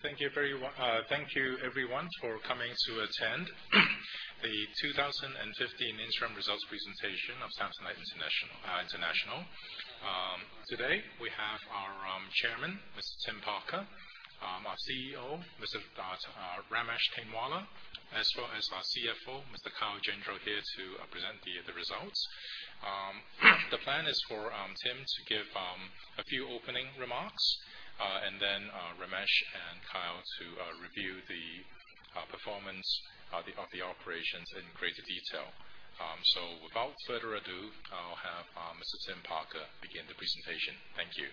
Good morning. Thank you everyone for coming to attend the 2015 interim results presentation of Samsonite International. Today, we have our Chairman, Mr. Tim Parker, our CEO, Mr. Ramesh Tainwala, as well as our CFO, Mr. Kyle Gendreau here to present the results. The plan is for Tim to give a few opening remarks, then Ramesh and Kyle to review the performance of the operations in greater detail. Without further ado, I'll have Mr. Tim Parker begin the presentation. Thank you.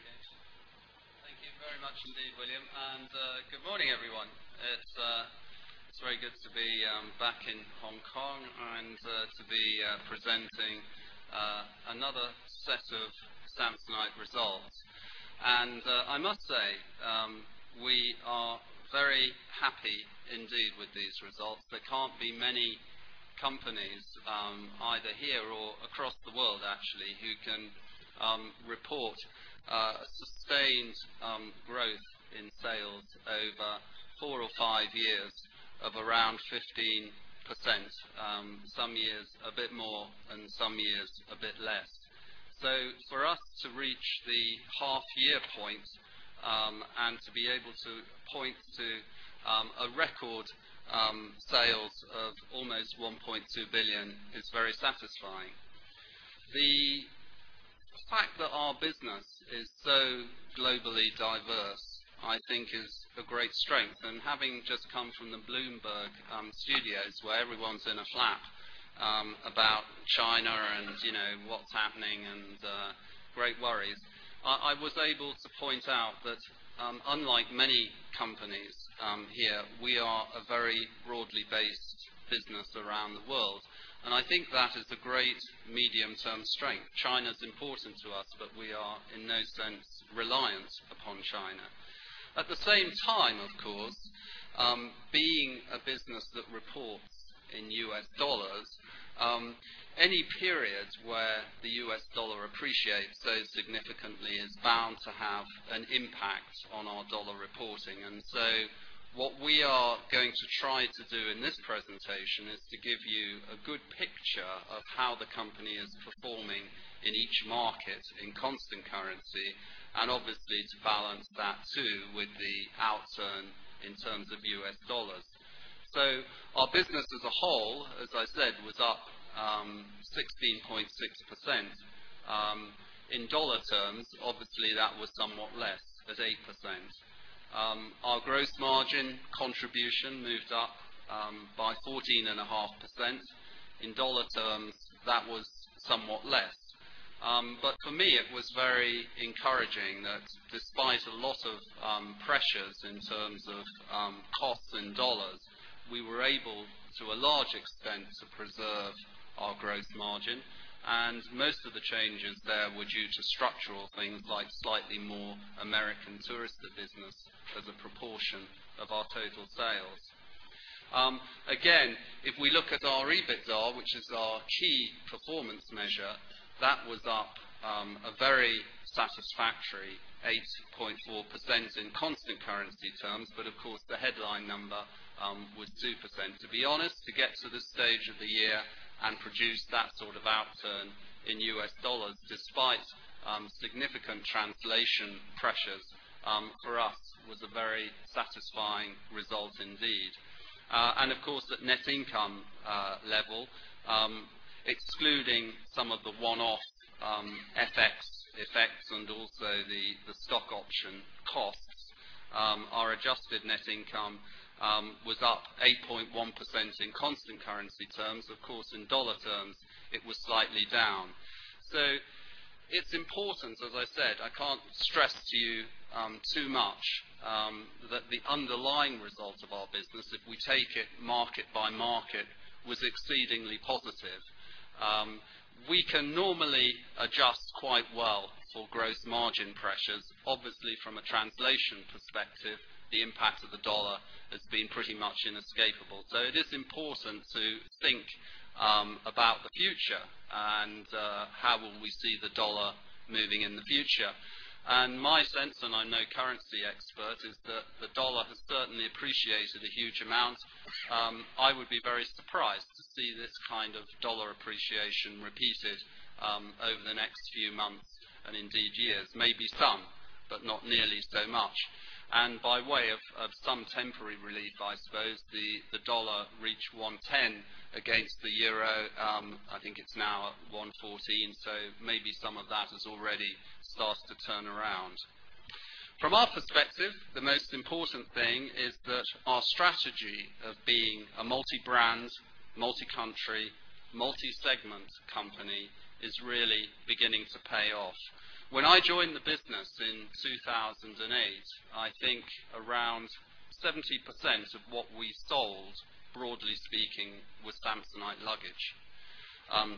Thank you very much indeed, William. Good morning, everyone. It's very good to be back in Hong Kong and to be presenting another set of Samsonite results. I must say, we are very happy indeed with these results. There can't be many companies, either here or across the world actually, who can report a sustained growth in sales over four or five years of around 15%. Some years a bit more and some years a bit less. For us to reach the half-year point, and to be able to point to a record sales of almost $1.2 billion is very satisfying. The fact that our business is so globally diverse, I think is a great strength. Having just come from the Bloomberg studios, where everyone's in a flap about China and what's happening and great worries. I was able to point out that unlike many companies here, we are a very broadly based business around the world. I think that is a great medium-term strength. China's important to us, but we are in no sense reliant upon China. At the same time, of course, being a business that reports in US dollars, any periods where the US dollar appreciates so significantly is bound to have an impact on our dollar reporting. What we are going to try to do in this presentation is to give you a good picture of how the company is performing in each market in constant currency, and obviously to balance that too with the outturn in terms of US dollars. Our business as a whole, as I said, was up 16.6%. In dollar terms, obviously that was somewhat less at 8%. Our gross margin contribution moved up by 14.5%. In dollar terms, that was somewhat less. For me, it was very encouraging that despite a lot of pressures in terms of costs in dollars, we were able, to a large extent, to preserve our gross margin. Most of the changes there were due to structural things like slightly more American Tourister business as a proportion of our total sales. Again, if we look at our EBITDA, which is our key performance measure, that was up a very satisfactory 8.4% in constant currency terms. Of course, the headline number was 2%. To be honest, to get to this stage of the year and produce that sort of outturn in US dollars despite significant translation pressures, for us, was a very satisfying result indeed. Of course, at net income level, excluding some of the one-off FX effects and also the stock option costs, our adjusted net income was up 8.1% in constant currency terms. Of course, in USD terms it was slightly down. It's important, as I said, I can't stress to you too much, that the underlying results of our business, if we take it market by market, was exceedingly positive. We can normally adjust quite well for gross margin pressures. Obviously, from a translation perspective, the impact of the U.S. dollar has been pretty much inescapable. It is important to think about the future, and how will we see the U.S. dollar moving in the future. My sense, and I'm no currency expert, is that the U.S. dollar has certainly appreciated a huge amount. I would be very surprised to see this kind of U.S. dollar appreciation repeated over the next few months and indeed years. Maybe some, but not nearly so much. By way of some temporary relief, I suppose, the U.S. dollar reached 110 against the EUR. I think it's now at 114, maybe some of that has already started to turn around. From our perspective, the most important thing is that our strategy of being a multi-brand, multi-country, multi-segment company is really beginning to pay off. When I joined the business in 2008, I think around 70% of what we sold, broadly speaking, was Samsonite luggage.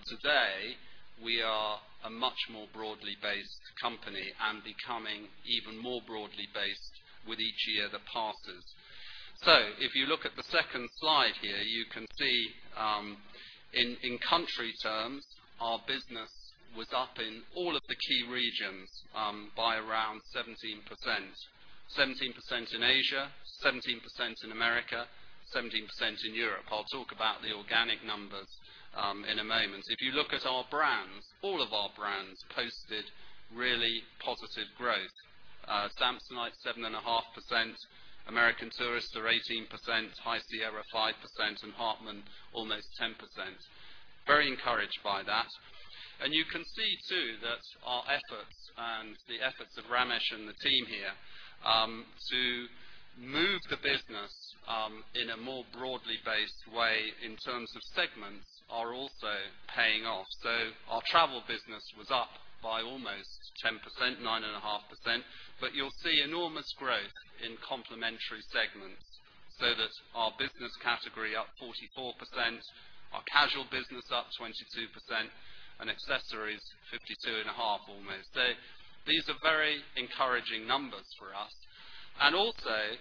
Today, we are a much more broadly based company and becoming even more broadly based with each year that passes. If you look at the second slide here, you can see in country terms, our business was up in all of the key regions by around 17%. 17% in Asia, 17% in America, 17% in Europe. I'll talk about the organic numbers in a moment. If you look at our brands, all of our brands posted really positive growth. Samsonite 7.5%, American Tourister 18%, High Sierra 5%, and Hartmann almost 10%. Very encouraged by that. You can see too that our efforts and the efforts of Ramesh and the team here to move the business in a more broadly based way in terms of segments are also paying off. Our travel business was up by almost 10%, 9.5%, but you'll see enormous growth in complementary segments, that our business category up 44%, our casual business up 22%, and accessories 52.5%. These are very encouraging numbers for us. Also,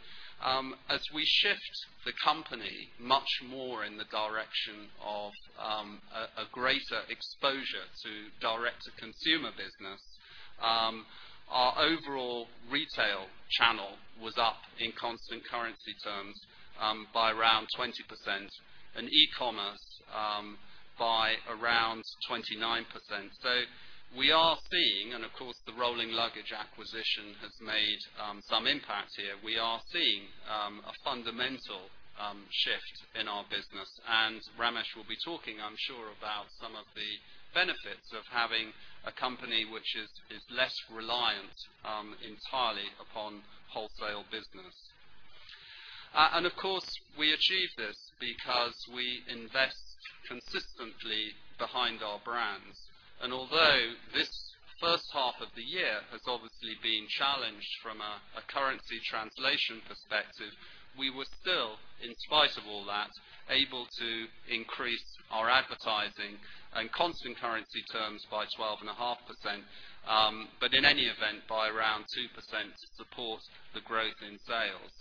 as we shift the company much more in the direction of a greater exposure to direct-to-consumer business, our overall retail channel was up in constant currency terms by around 20% and e-commerce by around 29%. We are seeing, and of course the Rolling Luggage acquisition has made some impact here. We are seeing a fundamental shift in our business, and Ramesh will be talking, I'm sure, about some of the benefits of having a company which is less reliant entirely upon wholesale business. Of course, we achieve this because we invest consistently behind our brands. Although this first half of the year has obviously been challenged from a currency translation perspective, we were still, in spite of all that, able to increase our advertising and constant currency terms by 12.5%, but in any event by around 2% to support the growth in sales.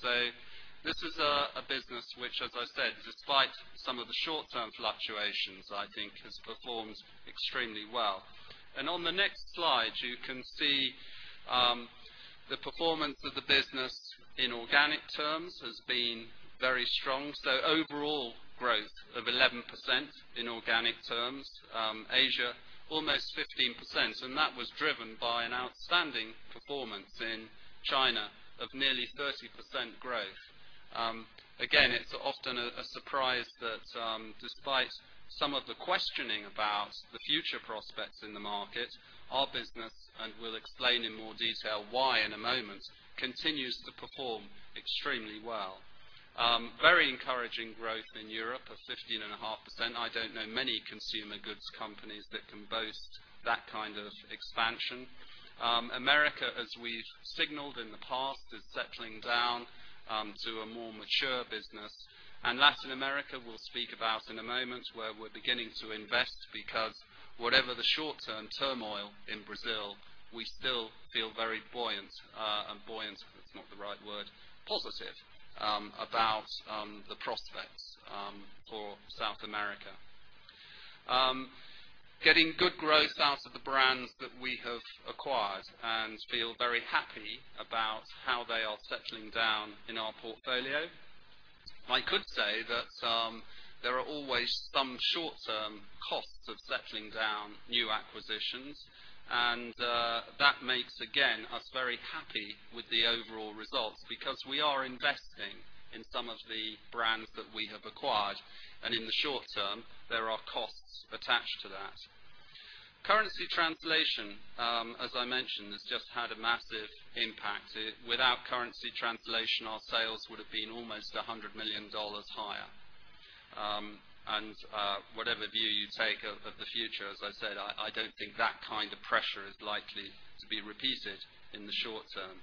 This is a business which, as I said, despite some of the short-term fluctuations, I think has performed extremely well. On the next slide, you can see the performance of the business in organic terms has been very strong. Overall growth of 11% in organic terms, Asia almost 15%, and that was driven by an outstanding performance in China of nearly 30% growth. It's often a surprise that despite some of the questioning about the future prospects in the market, our business, and we'll explain in more detail why in a moment, continues to perform extremely well. Very encouraging growth in Europe of 15.5%. I don't know many consumer goods companies that can boast that kind of expansion. America, as we've signaled in the past, is settling down to a more mature business. Latin America, we'll speak about in a moment, where we're beginning to invest because whatever the short-term turmoil in Brazil, we still feel very buoyant. Buoyant is not the right word. Positive about the prospects for South America. Getting good growth out of the brands that we have acquired and feel very happy about how they are settling down in our portfolio. I could say that there are always some short-term costs of settling down new acquisitions, and that makes, again, us very happy with the overall results because we are investing in some of the brands that we have acquired. In the short term, there are costs attached to that. Currency translation, as I mentioned, has just had a massive impact. Without currency translation, our sales would have been almost $100 million higher. Whatever view you take of the future, as I said, I don't think that kind of pressure is likely to be repeated in the short term.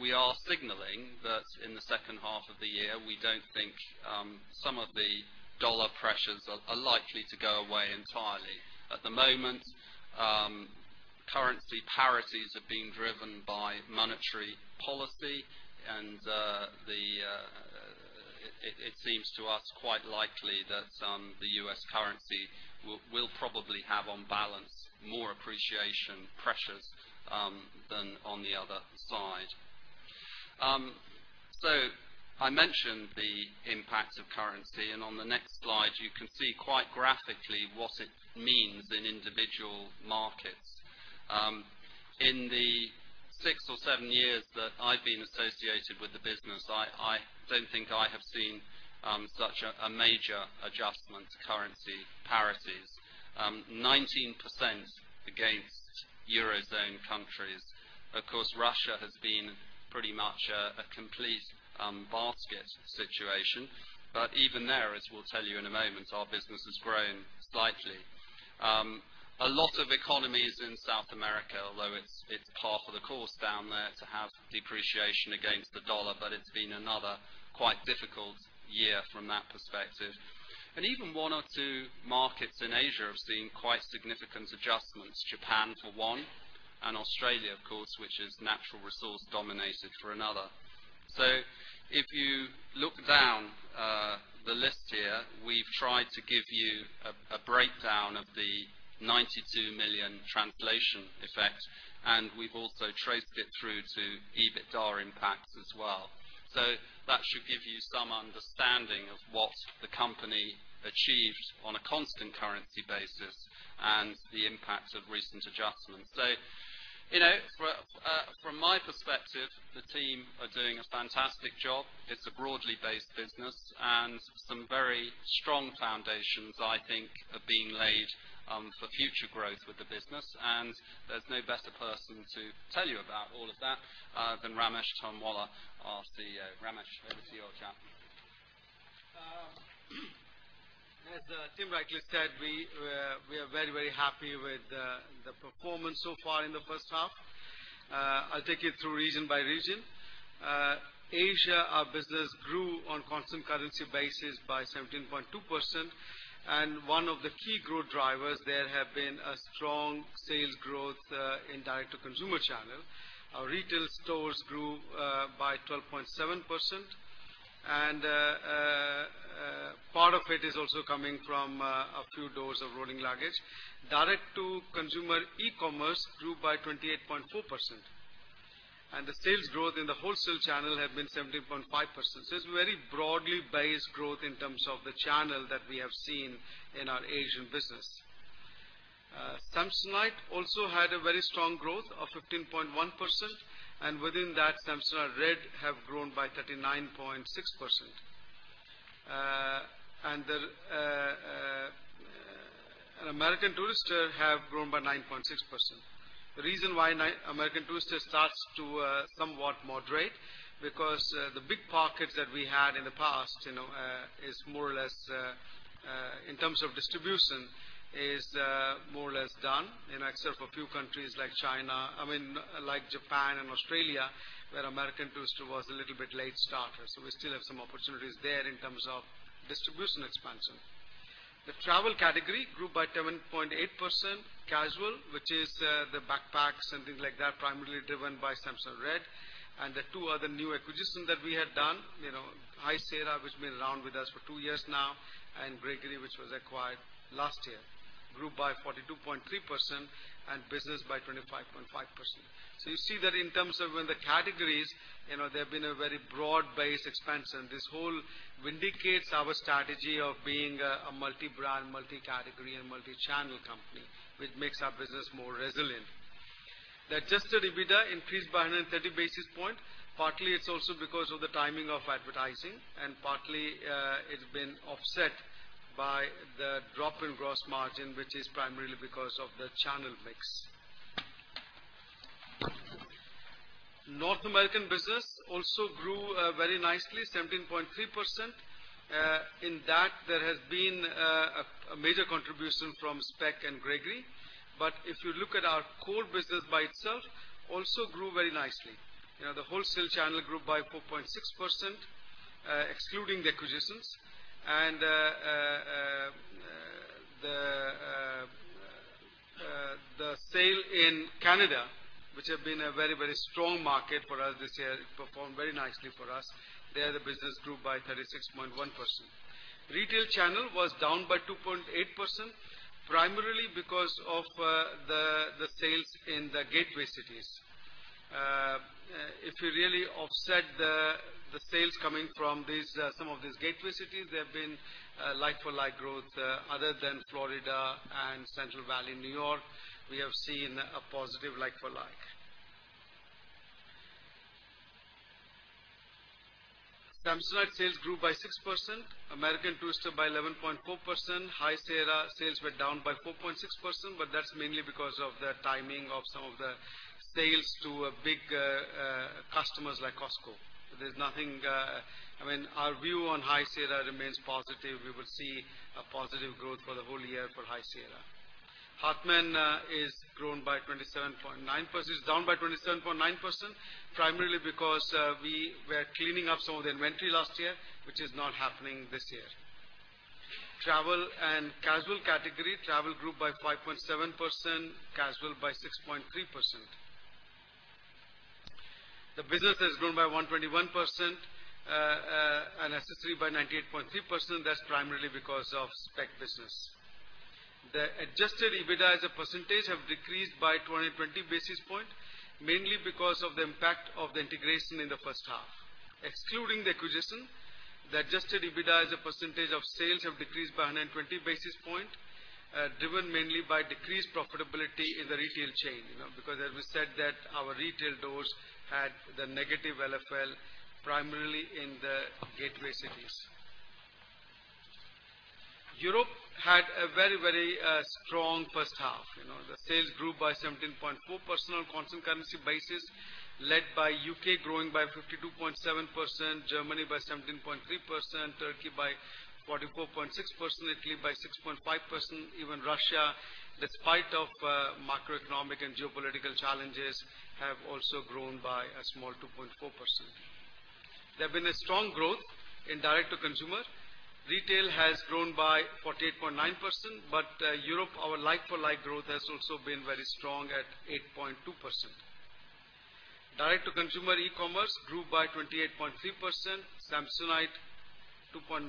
We are signaling that in the second half of the year, we don't think some of the dollar pressures are likely to go away entirely. At the moment, currency parities are being driven by monetary policy, and it seems to us quite likely that the U.S. currency will probably have, on balance, more appreciation pressures than on the other side. I mentioned the impact of currency, and on the next slide, you can see quite graphically what it means in individual markets. In the six or seven years that I've been associated with the business, I don't think I have seen such a major adjustment to currency parities. 19% against eurozone countries. Of course, Russia has been pretty much a complete basket situation, but even there, as we'll tell you in a moment, our business has grown slightly. A lot of economies in South America, although it's par for the course down there to have depreciation against the dollar, but it's been another quite difficult year from that perspective. Even one or two markets in Asia have seen quite significant adjustments. Japan for one, and Australia of course, which is natural resource dominated for another. If you look down the list here, we've tried to give you a breakdown of the $92 million translation effect, and we've also traced it through to EBITDA impacts as well. That should give you some understanding of what the company achieved on a constant currency basis and the impacts of recent adjustments. From my perspective, the team are doing a fantastic job. It's a broadly based business and some very strong foundations, I think, are being laid for future growth with the business, and there's no better person to tell you about all of that than Ramesh Tainwala, our CEO. Ramesh, over to you, old chap. As Tim rightly said, we are very happy with the performance so far in the first half. I'll take you through region by region. Asia, our business grew on constant currency basis by 17.2%. One of the key growth drivers there have been a strong sales growth, in direct to consumer channel. Our retail stores grew by 12.7%. A part of it is also coming from a few doors of Rolling Luggage. Direct to consumer e-commerce grew by 28.4%. The sales growth in the wholesale channel have been 17.5%. It's very broadly based growth in terms of the channel that we have seen in our Asian business. Samsonite also had a very strong growth of 15.1%, and within that Samsonite Red have grown by 39.6%. American Tourister have grown by 9.6%. The reason why American Tourister starts to somewhat moderate because the big pockets that we had in the past, is more or less, in terms of distribution, is more or less done. Except for a few countries like China I mean, like Japan and Australia, where American Tourister was a little bit late starter. We still have some opportunities there in terms of distribution expansion. The travel category grew by 17.8%. Casual, which is the backpacks and things like that, primarily driven by Samsonite Red. The two other new acquisition that we had done, High Sierra, which been around with us for two years now, and Gregory, which was acquired last year, grew by 42.3% and business by 25.5%. You see that in terms of when the categories, there have been a very broad-based expansion. This whole vindicates our strategy of being a multi-brand, multi-category and multi-channel company, which makes our business more resilient. The adjusted EBITDA increased by 130 basis point. Partly it's also because of the timing of advertising and partly it's been offset by the drop in gross margin, which is primarily because of the channel mix. North American business also grew very nicely, 17.3%. In that there has been a major contribution from Speck and Gregory. If you look at our core business by itself, also grew very nicely. The wholesale channel grew by 4.6%, excluding the acquisitions. The sale in Canada, which have been a very strong market for us this year. It performed very nicely for us. There, the business grew by 36.1%. Retail channel was down by 2.8%, primarily because of the sales in the gateway cities. If you really offset the sales coming from some of these gateway cities, there have been like-for-like growth other than Florida and Central Valley, New York, we have seen a positive like-for-like. Samsonite sales grew by 6%, American Tourister by 11.4%. High Sierra sales were down by 4.6%, but that's mainly because of the timing of some of the sales to big customers like Costco. Our view on High Sierra remains positive. We will see a positive growth for the whole year for High Sierra. Hartmann is down by 27.9%, primarily because we were cleaning up some of the inventory last year, which is not happening this year. Travel and casual category. Travel grew by 5.7%, casual by 6.3%. The business has grown by 121%, and accessory by 98.3%. That's primarily because of Speck business. The adjusted EBITDA as a percentage have decreased by 2,020 basis points, mainly because of the impact of the integration in the first half. Excluding the acquisition, the adjusted EBITDA as a percentage of sales have decreased by 120 basis points, driven mainly by decreased profitability in the retail chain. As we said that our retail doors had the negative LFL, primarily in the gateway cities. Europe had a very strong first half. The sales grew by 17.4% on constant currency basis, led by U.K. growing by 52.7%, Germany by 17.3%, Turkey by 15.8% 44.6%, Italy by 6.5%, even Russia, despite of macroeconomic and geopolitical challenges, have also grown by a small 2.4%. There have been a strong growth in direct-to-consumer. Retail has grown by 48.9%, but Europe, our like-for-like growth has also been very strong at 8.2%. Direct-to-consumer e-commerce grew by 28.3%, Samsonite 2.9%,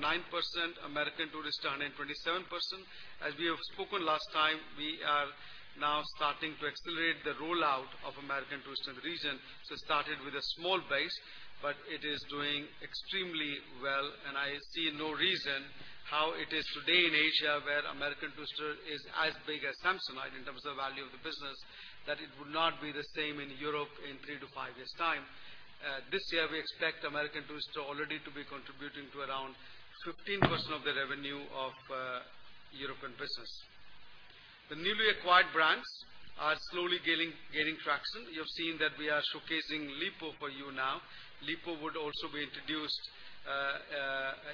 American Tourister 127%. As we have spoken last time, we are now starting to accelerate the rollout of American Tourister in the region. Started with a small base, but it is doing extremely well, and I see no reason how it is today in Asia, where American Tourister is as big as Samsonite in terms of value of the business, that it would not be the same in Europe in three to five years' time. This year, we expect American Tourister already to be contributing to around 15% of the revenue of European business. The newly acquired brands are slowly gaining traction. You have seen that we are showcasing Lipault for you now. Lipault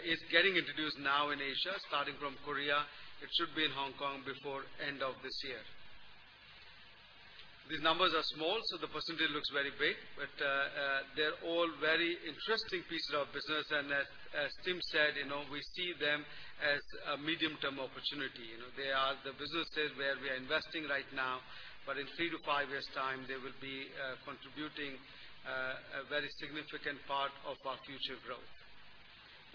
is getting introduced now in Asia, starting from South Korea. It should be in Hong Kong before end of this year. These numbers are small, so the percentage looks very big, but they're all very interesting pieces of business. As Tim said, we see them as a medium-term opportunity. They are the businesses where we are investing right now, but in three to five years' time, they will be contributing a very significant part of our future growth.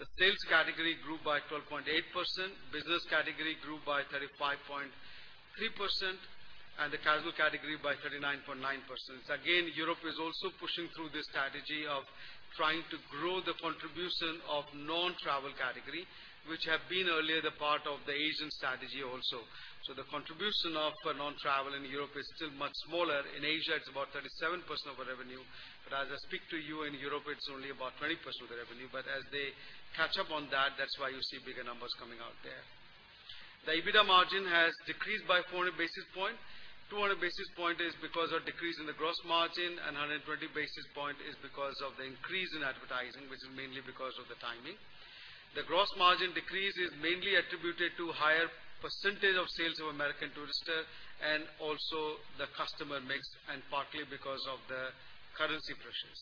The sales category grew by 12.8%, business category grew by 35.3%, and the casual category by 39.1%. Europe is also pushing through this strategy of trying to grow the contribution of non-travel category, which have been earlier the part of the Asian strategy also. The contribution of non-travel in Europe is still much smaller. In Asia, it's about 37% of our revenue, but as I speak to you, in Europe, it's only about 20% of the revenue. As they catch up on that's why you see bigger numbers coming out there. The EBITDA margin has decreased by 400 basis points. 200 basis points is because of decrease in the gross margin, and 120 basis points is because of the increase in advertising, which is mainly because of the timing. The gross margin decrease is mainly attributed to higher percentage of sales of American Tourister and also the customer mix, and partly because of the currency pressures.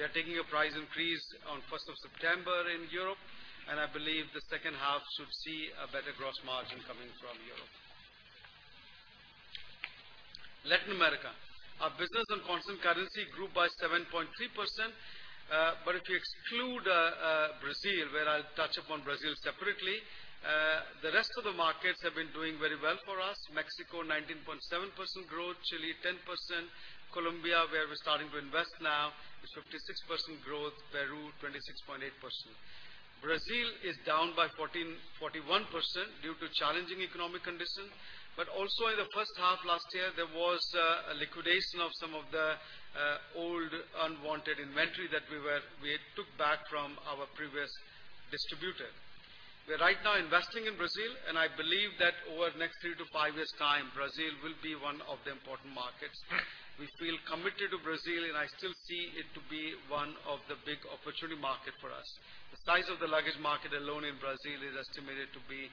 We are taking a price increase on 1st of September in Europe, and I believe the second half should see a better gross margin coming from Europe. Latin America, our business on constant currency grew by 7.3%, but if you exclude Brazil, where I'll touch upon Brazil separately, the rest of the markets have been doing very well for us. Mexico, 19.7% growth. Chile, 10%. Colombia, where we're starting to invest now, is 56% growth. Peru, 26.8%. Brazil is down by 41% due to challenging economic conditions. Also in the first half last year, there was a liquidation of some of the old unwanted inventory that we had took back from our previous distributor. We are right now investing in Brazil, and I believe that over the next three to five years' time, Brazil will be one of the important markets. We feel committed to Brazil, and I still see it to be one of the big opportunity market for us. The size of the luggage market alone in Brazil is estimated to be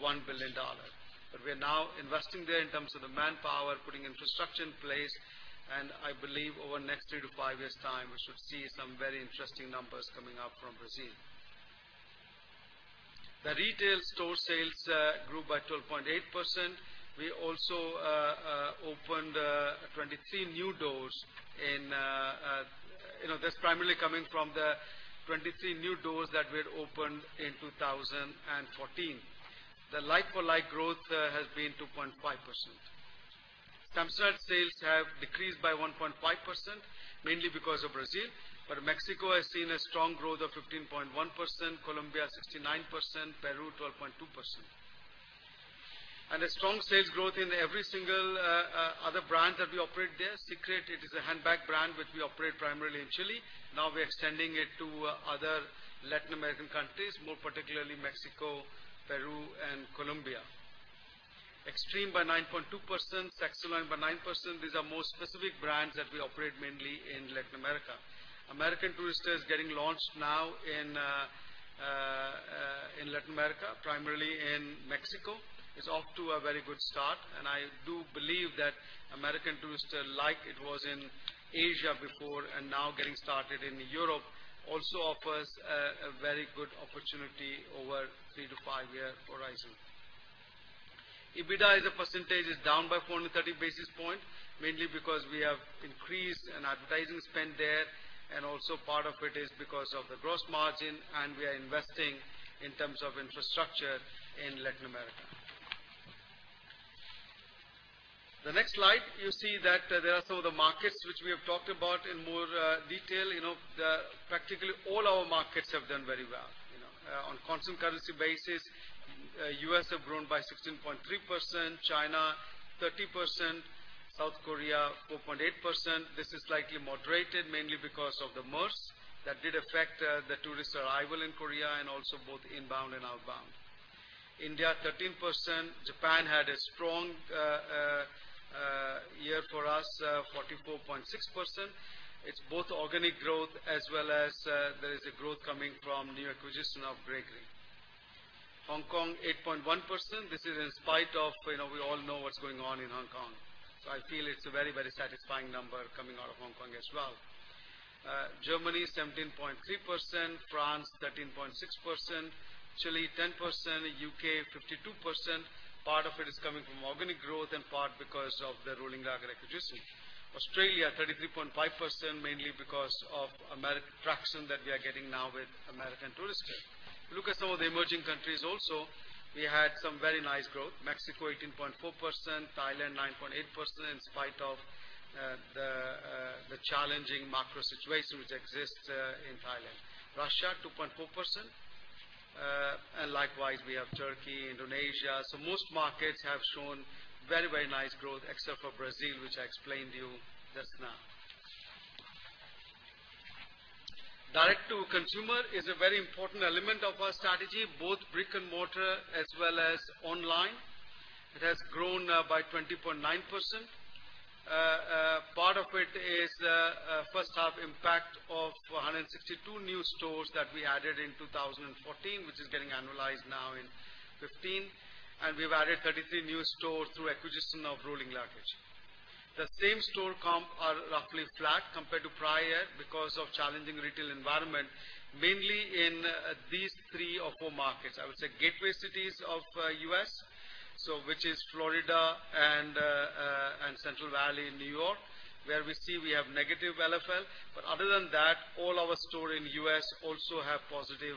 $1 billion. We are now investing there in terms of the manpower, putting infrastructure in place, and I believe over the next three to five years' time, we should see some very interesting numbers coming out from Brazil. The retail store sales grew by 12.8%. We also opened 23 new doors. That's primarily coming from the 23 new doors that we had opened in 2014. The like-for-like growth has been 2.5%. Samsonite sales have decreased by 1.5%, mainly because of Brazil. Mexico has seen a strong growth of 15.1%, Colombia, 69%, Peru, 12.2%. A strong sales growth in every single other brand that we operate there. Secret, it is a handbag brand which we operate primarily in Chile. Now we are extending it to other Latin American countries, more particularly Mexico, Peru, and Colombia. Xtrem by 9.2%, Saxoline by 9%. These are more specific brands that we operate mainly in Latin America. American Tourister is getting launched now in Latin America, primarily in Mexico. It's off to a very good start, I do believe that American Tourister, like it was in Asia before and now getting started in Europe, also offers a very good opportunity over three to five-year horizon. EBITDA as a percentage is down by 430 basis points, mainly because we have increased an advertising spend there, and also part of it is because of the gross margin and we are investing in terms of infrastructure in Latin America. The next slide, you see that there are some of the markets which we have talked about in more detail. Practically all our markets have done very well. On constant currency basis, U.S. have grown by 16.3%, China 30%, South Korea 4.8%. This is slightly moderated, mainly because of the MERS that did affect the tourist arrival in Korea and also both inbound and outbound. India 13%. Japan had a strong year for us, 44.6%. It's both organic growth as well as there is a growth coming from new acquisition of Gregory. Hong Kong, 8.1%. This is in spite of, we all know what's going on in Hong Kong. I feel it's a very satisfying number coming out of Hong Kong as well. Germany, 17.3%. France, 13.6%. Chile, 10%. U.K., 52%. Part of it is coming from organic growth and part because of the Rolling Luggage acquisition. Australia, 33.5%, mainly because of traction that we are getting now with American Tourister. Look at some of the emerging countries also. We had some very nice growth. Mexico, 18.4%. Thailand, 9.8%, in spite of the challenging macro situation which exists in Thailand. Russia, 2.4%. Likewise, we have Turkey, Indonesia. Most markets have shown very nice growth except for Brazil, which I explained to you just now. Direct to consumer is a very important element of our strategy, both brick and mortar as well as online. It has grown by 20.9%. Part of it is the first half impact of 162 new stores that we added in 2014, which is getting annualized now in 2015. We've added 33 new stores through acquisition of Rolling Luggage. The same-store comp are roughly flat compared to prior because of challenging retail environment, mainly in these three or four markets. I would say gateway cities of U.S., which is Florida and Central Valley in New York, where we see we have negative LFL. Other than that, all our stores in U.S. also have positive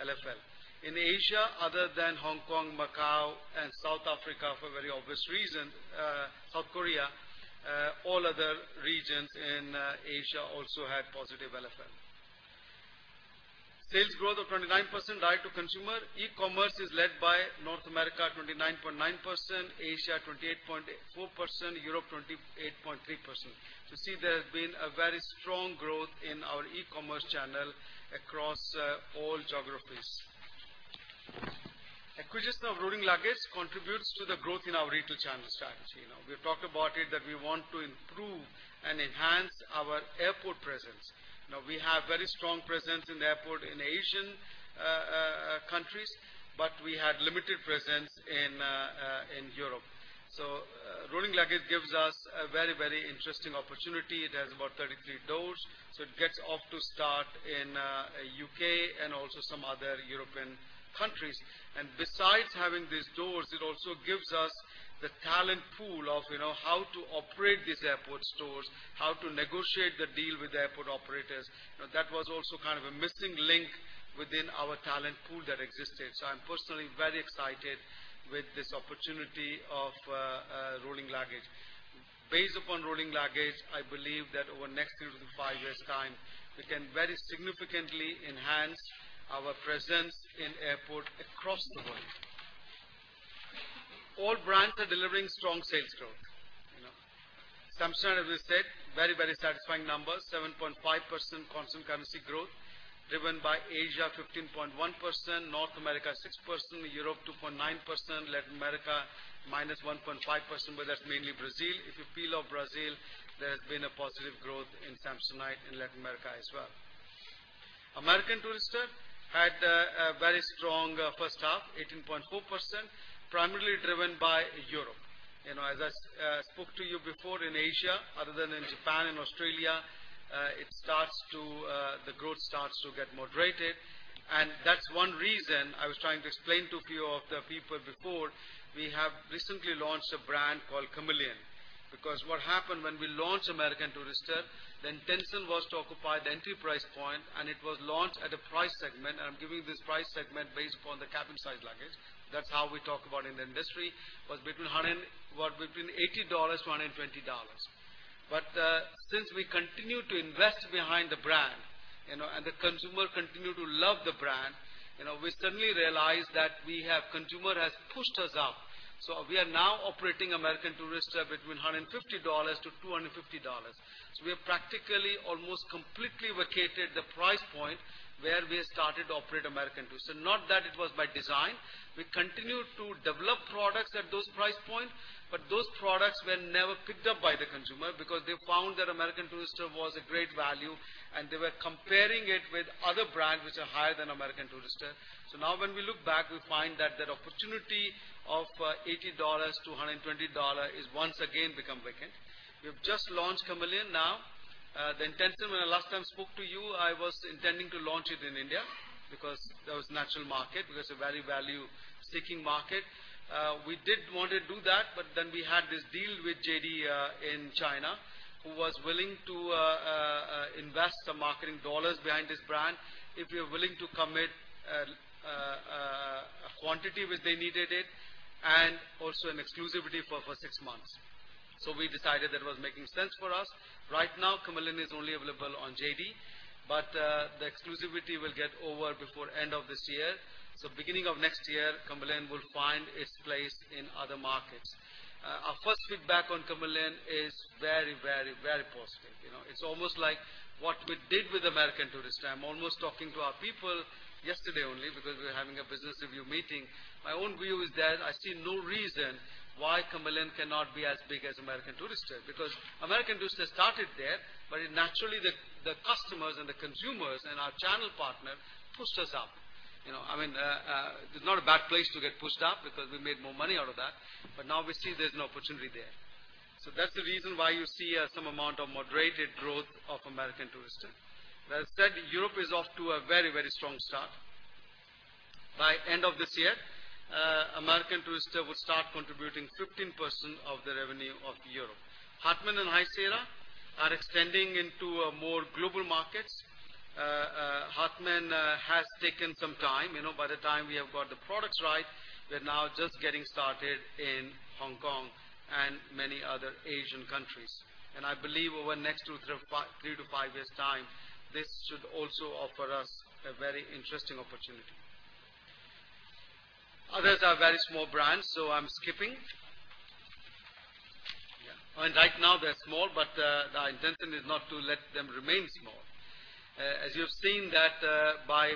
LFL. In Asia, other than Hong Kong, Macau, and South Korea for very obvious reasons. South Korea, all other regions in Asia also had positive LFL. Sales growth of 29% direct to consumer. E-commerce is led by North America, 29.9%, Asia, 28.4%, Europe, 28.3%. See, there has been a very strong growth in our e-commerce channel across all geographies. Acquisition of Rolling Luggage contributes to the growth in our retail channel strategy. We've talked about it that we want to improve and enhance our airport presence. We have very strong presence in the airport in Asian countries, but we had limited presence in Europe. Rolling Luggage gives us a very interesting opportunity. It has about 33 stores, it gets off to start in U.K. and also some other European countries. Besides having these stores, it also gives us the talent pool of how to operate these airport stores, how to negotiate the deal with the airport operators. That was also kind of a missing link within our talent pool that existed. I'm personally very excited with this opportunity of Rolling Luggage. Based upon Rolling Luggage, I believe that over the next three to five years' time, we can very significantly enhance our presence in airports across the world. All brands are delivering strong sales growth. Samsonite, as I said, very satisfying numbers, 7.5% constant currency growth driven by Asia 15.1%, North America 6%, Europe 2.9%, Latin America -1.5%, but that's mainly Brazil. If you peel off Brazil, there's been a positive growth in Samsonite in Latin America as well. American Tourister had a very strong first half, 18.4%, primarily driven by Europe. As I spoke to you before in Asia, other than in Japan and Australia, the growth starts to get moderated. That's one reason I was trying to explain to a few of the people before, we have recently launched a brand called Kamiliant. What happened when we launched American Tourister, the intention was to occupy the entry price point, and it was launched at a price segment. I'm giving you this price segment based upon the cabin size luggage. That's how we talk about in the industry. It was between $80-$120. Since we continued to invest behind the brand and the consumer continued to love the brand, we suddenly realized that consumer has pushed us up. We are now operating American Tourister between $150-$250. We have practically almost completely vacated the price point where we started to operate American Tourister. Not that it was by design. We continued to develop products at those price points, those products were never picked up by the consumer because they found that American Tourister was a great value and they were comparing it with other brands which are higher than American Tourister. Now when we look back, we find that that opportunity of $80-$120 is once again become vacant. We have just launched Kamiliant now. Tenson, when I last time spoke to you, I was intending to launch it in India because that was natural market. It was a very value-seeking market. We did want to do that, we had this deal with JD.com in China who was willing to invest the marketing dollars behind this brand if we are willing to commit quantity which they needed it, and also an exclusivity for six months. We decided that it was making sense for us. Right now, Kamiliant is only available on JD.com. The exclusivity will get over before end of this year. Beginning of next year, Kamiliant will find its place in other markets. Our first feedback on Kamiliant is very positive. It's almost like what we did with American Tourister. I'm almost talking to our people yesterday only because we were having a business review meeting. My own view is that I see no reason why Kamiliant cannot be as big as American Tourister, because American Tourister started there, naturally, the customers and the consumers and our channel partner pushed us up. It's not a bad place to get pushed up because we made more money out of that. Now we see there's an opportunity there. That's the reason why you see some amount of moderated growth of American Tourister. That said, Europe is off to a very strong start. By end of this year, American Tourister will start contributing 15% of the revenue of Europe. Hartmann and High Sierra are extending into more global markets. Hartmann has taken some time. By the time we have got the products right, we're now just getting started in Hong Kong and many other Asian countries. I believe over next three to five years' time, this should also offer us a very interesting opportunity. Others are very small brands, so I'm skipping. Right now they're small, but the intention is not to let them remain small. As you have seen that by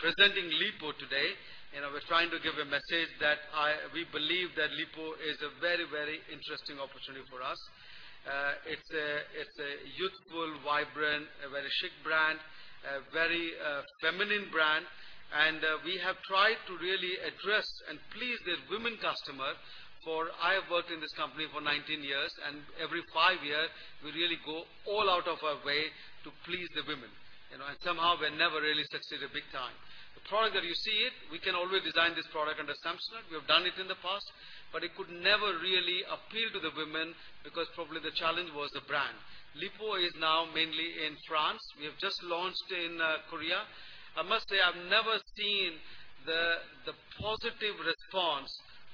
presenting Lipault today, we're trying to give a message that we believe that Lipault is a very interesting opportunity for us. It's a youthful, vibrant, a very chic brand, a very feminine brand. We have tried to really address and please the women customer. I have worked in this company for 19 years, and every five years we really go all out of our way to please the women. Somehow we never really succeed at big time. The product that you see it, we can always design this product under Samsonite. We have done it in the past, but it could never really appeal to the women because probably the challenge was the brand. Lipault is now mainly in France. We have just launched in Korea. I must say, I've never seen the positive response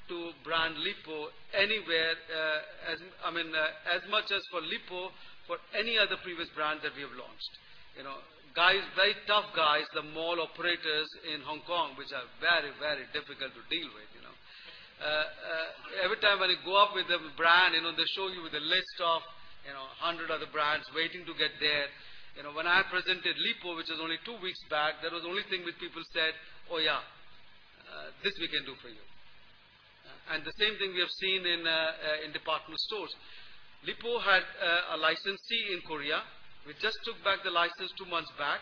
to brand Lipault anywhere as much as for Lipault, for any other previous brand that we have launched. Very tough guys, the mall operators in Hong Kong, which are very difficult to deal with. Every time when you go up with a brand, they show you the list of 100 other brands waiting to get there. When I presented Lipault, which is only two weeks back, that was the only thing which people said, "Oh, yeah. This we can do for you." The same thing we have seen in department stores. Lipault had a licensee in Korea. We just took back the license two months back.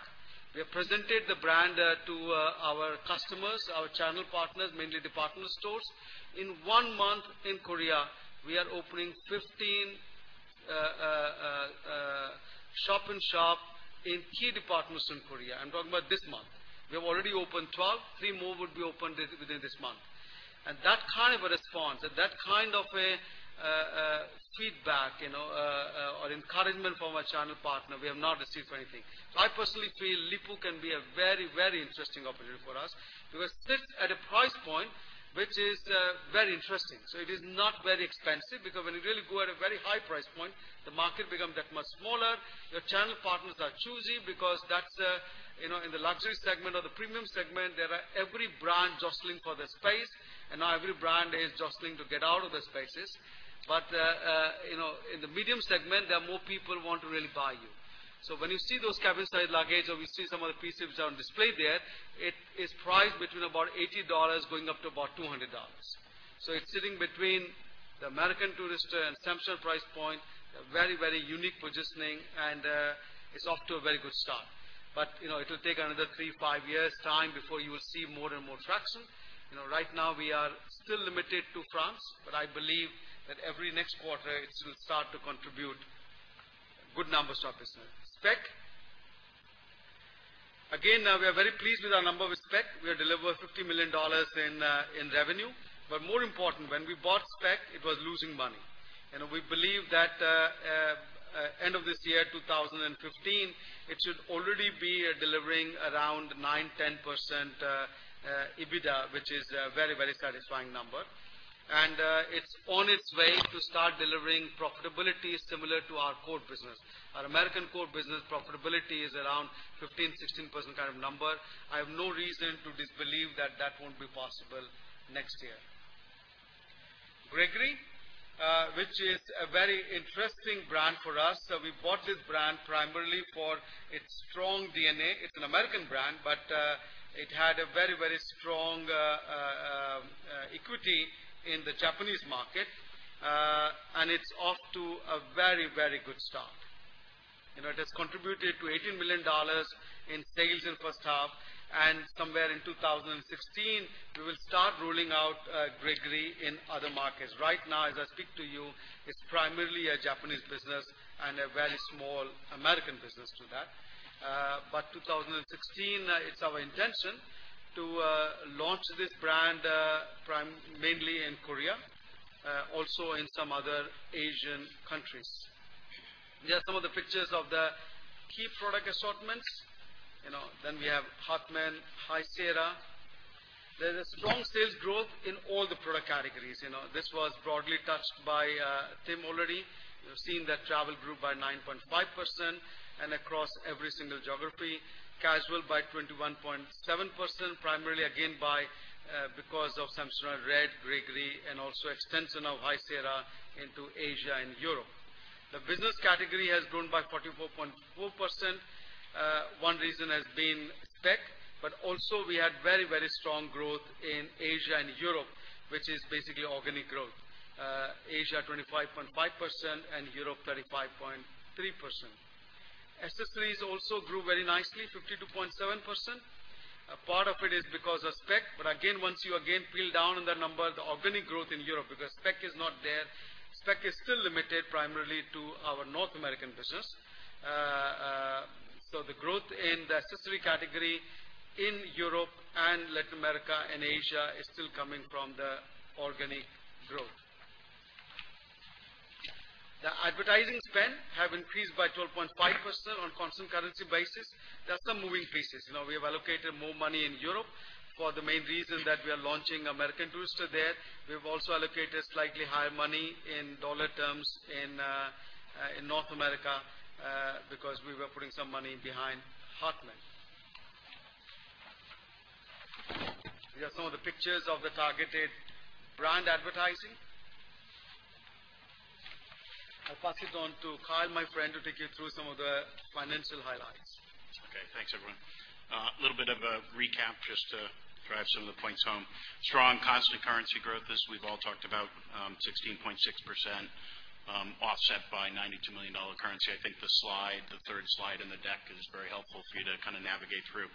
We have presented the brand to our customers, our channel partners, mainly department stores. In one month in Korea, we are opening 15 shop-in-shop in key departments in Korea. I'm talking about this month. We have already opened 12. Three more would be opened within this month. That kind of a response and that kind of a feedback or encouragement from our channel partner, we have not received for anything. I personally feel Lipault can be a very interesting opportunity for us, because it sits at a price point which is very interesting. It is not very expensive, because when you really go at a very high price point, the market become that much smaller. Your channel partners are choosy because that's in the luxury segment or the premium segment. There are every brand jostling for the space, and now every brand is jostling to get out of the spaces. In the medium segment, there are more people who want to really buy you. When you see those cabin size luggage or we see some of the pieces which are on display there, it is priced between about $80 going up to about $200. It's sitting between the American Tourister and Samsonite price point. A very unique positioning, and it's off to a very good start. It will take another three, five years' time before you will see more and more traction. Right now, we are still limited to France, I believe that every next quarter it will start to contribute good numbers for our business. Speck. Again, we are very pleased with our number with Speck. We have delivered $50 million in revenue. More important, when we bought Speck, it was losing money. We believe that end of this year, 2015, it should already be delivering around nine, 10% EBITDA, which is a very satisfying number. It's on its way to start delivering profitability similar to our core business. Our American core business profitability is around 15%-16% kind of number. I have no reason to disbelieve that that won't be possible next year. Gregory, which is a very interesting brand for us. We bought this brand primarily for its strong DNA. It's an American brand, but it had a very strong equity in the Japanese market. It's off to a very good start. It has contributed $18 million in sales in first half. Somewhere in 2016, we will start rolling out Gregory in other markets. Right now, as I speak to you, it's primarily a Japanese business and a very small American business to that. But 2016, it's our intention to launch this brand also in some other Asian countries. These are some of the pictures of the key product assortments. We have Hartmann, High Sierra. There is strong sales growth in all the product categories. This was broadly touched by Tim already. You've seen that travel grew by 9.5% and across every single geography. Casual by 21.7%, primarily again, because of Samsonite Red, Gregory, and also extension of High Sierra into Asia and Europe. The business category has grown by 44.4%. One reason has been Speck, but also we had very strong growth in Asia and Europe, which is basically organic growth. Asia 25.5% and Europe 35.3%. Accessories also grew very nicely, 52.7%. A part of it is because of Speck, but again, once you again peel down the number, the organic growth in Europe, because Speck is not there. Speck is still limited primarily to our North American business. The growth in the accessory category in Europe and Latin America and Asia is still coming from the organic growth. The advertising spend have increased by 12.5% on constant currency basis. There are some moving pieces. We have allocated more money in Europe for the main reason that we are launching American Tourister there. We've also allocated slightly higher money in dollar terms in North America, because we were putting some money behind Hartmann. These are some of the pictures of the targeted brand advertising. I'll pass it on to Kyle, my friend, to take you through some of the financial highlights. Okay, thanks everyone. A little bit of a recap just to drive some of the points home. Strong constant currency growth, as we've all talked about, 16.6%, offset by $92 million currency. I think the third slide in the deck is very helpful for you to navigate through.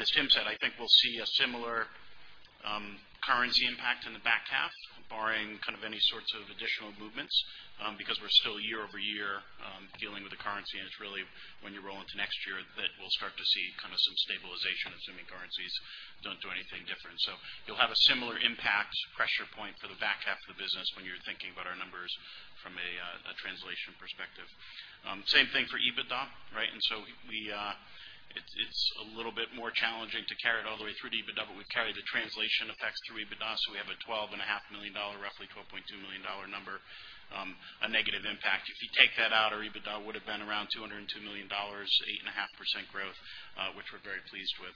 As Tim said, I think we'll see a similar currency impact in the back half, barring any sorts of additional movements, because we're still year-over-year, dealing with the currency, and it's really when you roll into next year that we'll start to see some stabilization, assuming currencies don't do anything different. You'll have a similar impact pressure point for the back half of the business when you're thinking about our numbers from a translation perspective. Same thing for EBITDA. It's a little bit more challenging to carry it all the way through to EBITDA, but we carry the translation effects through EBITDA, so we have a roughly $12.2 million number, a negative impact. If you take that out, our EBITDA would've been around $202 million, 8.5% growth, which we're very pleased with.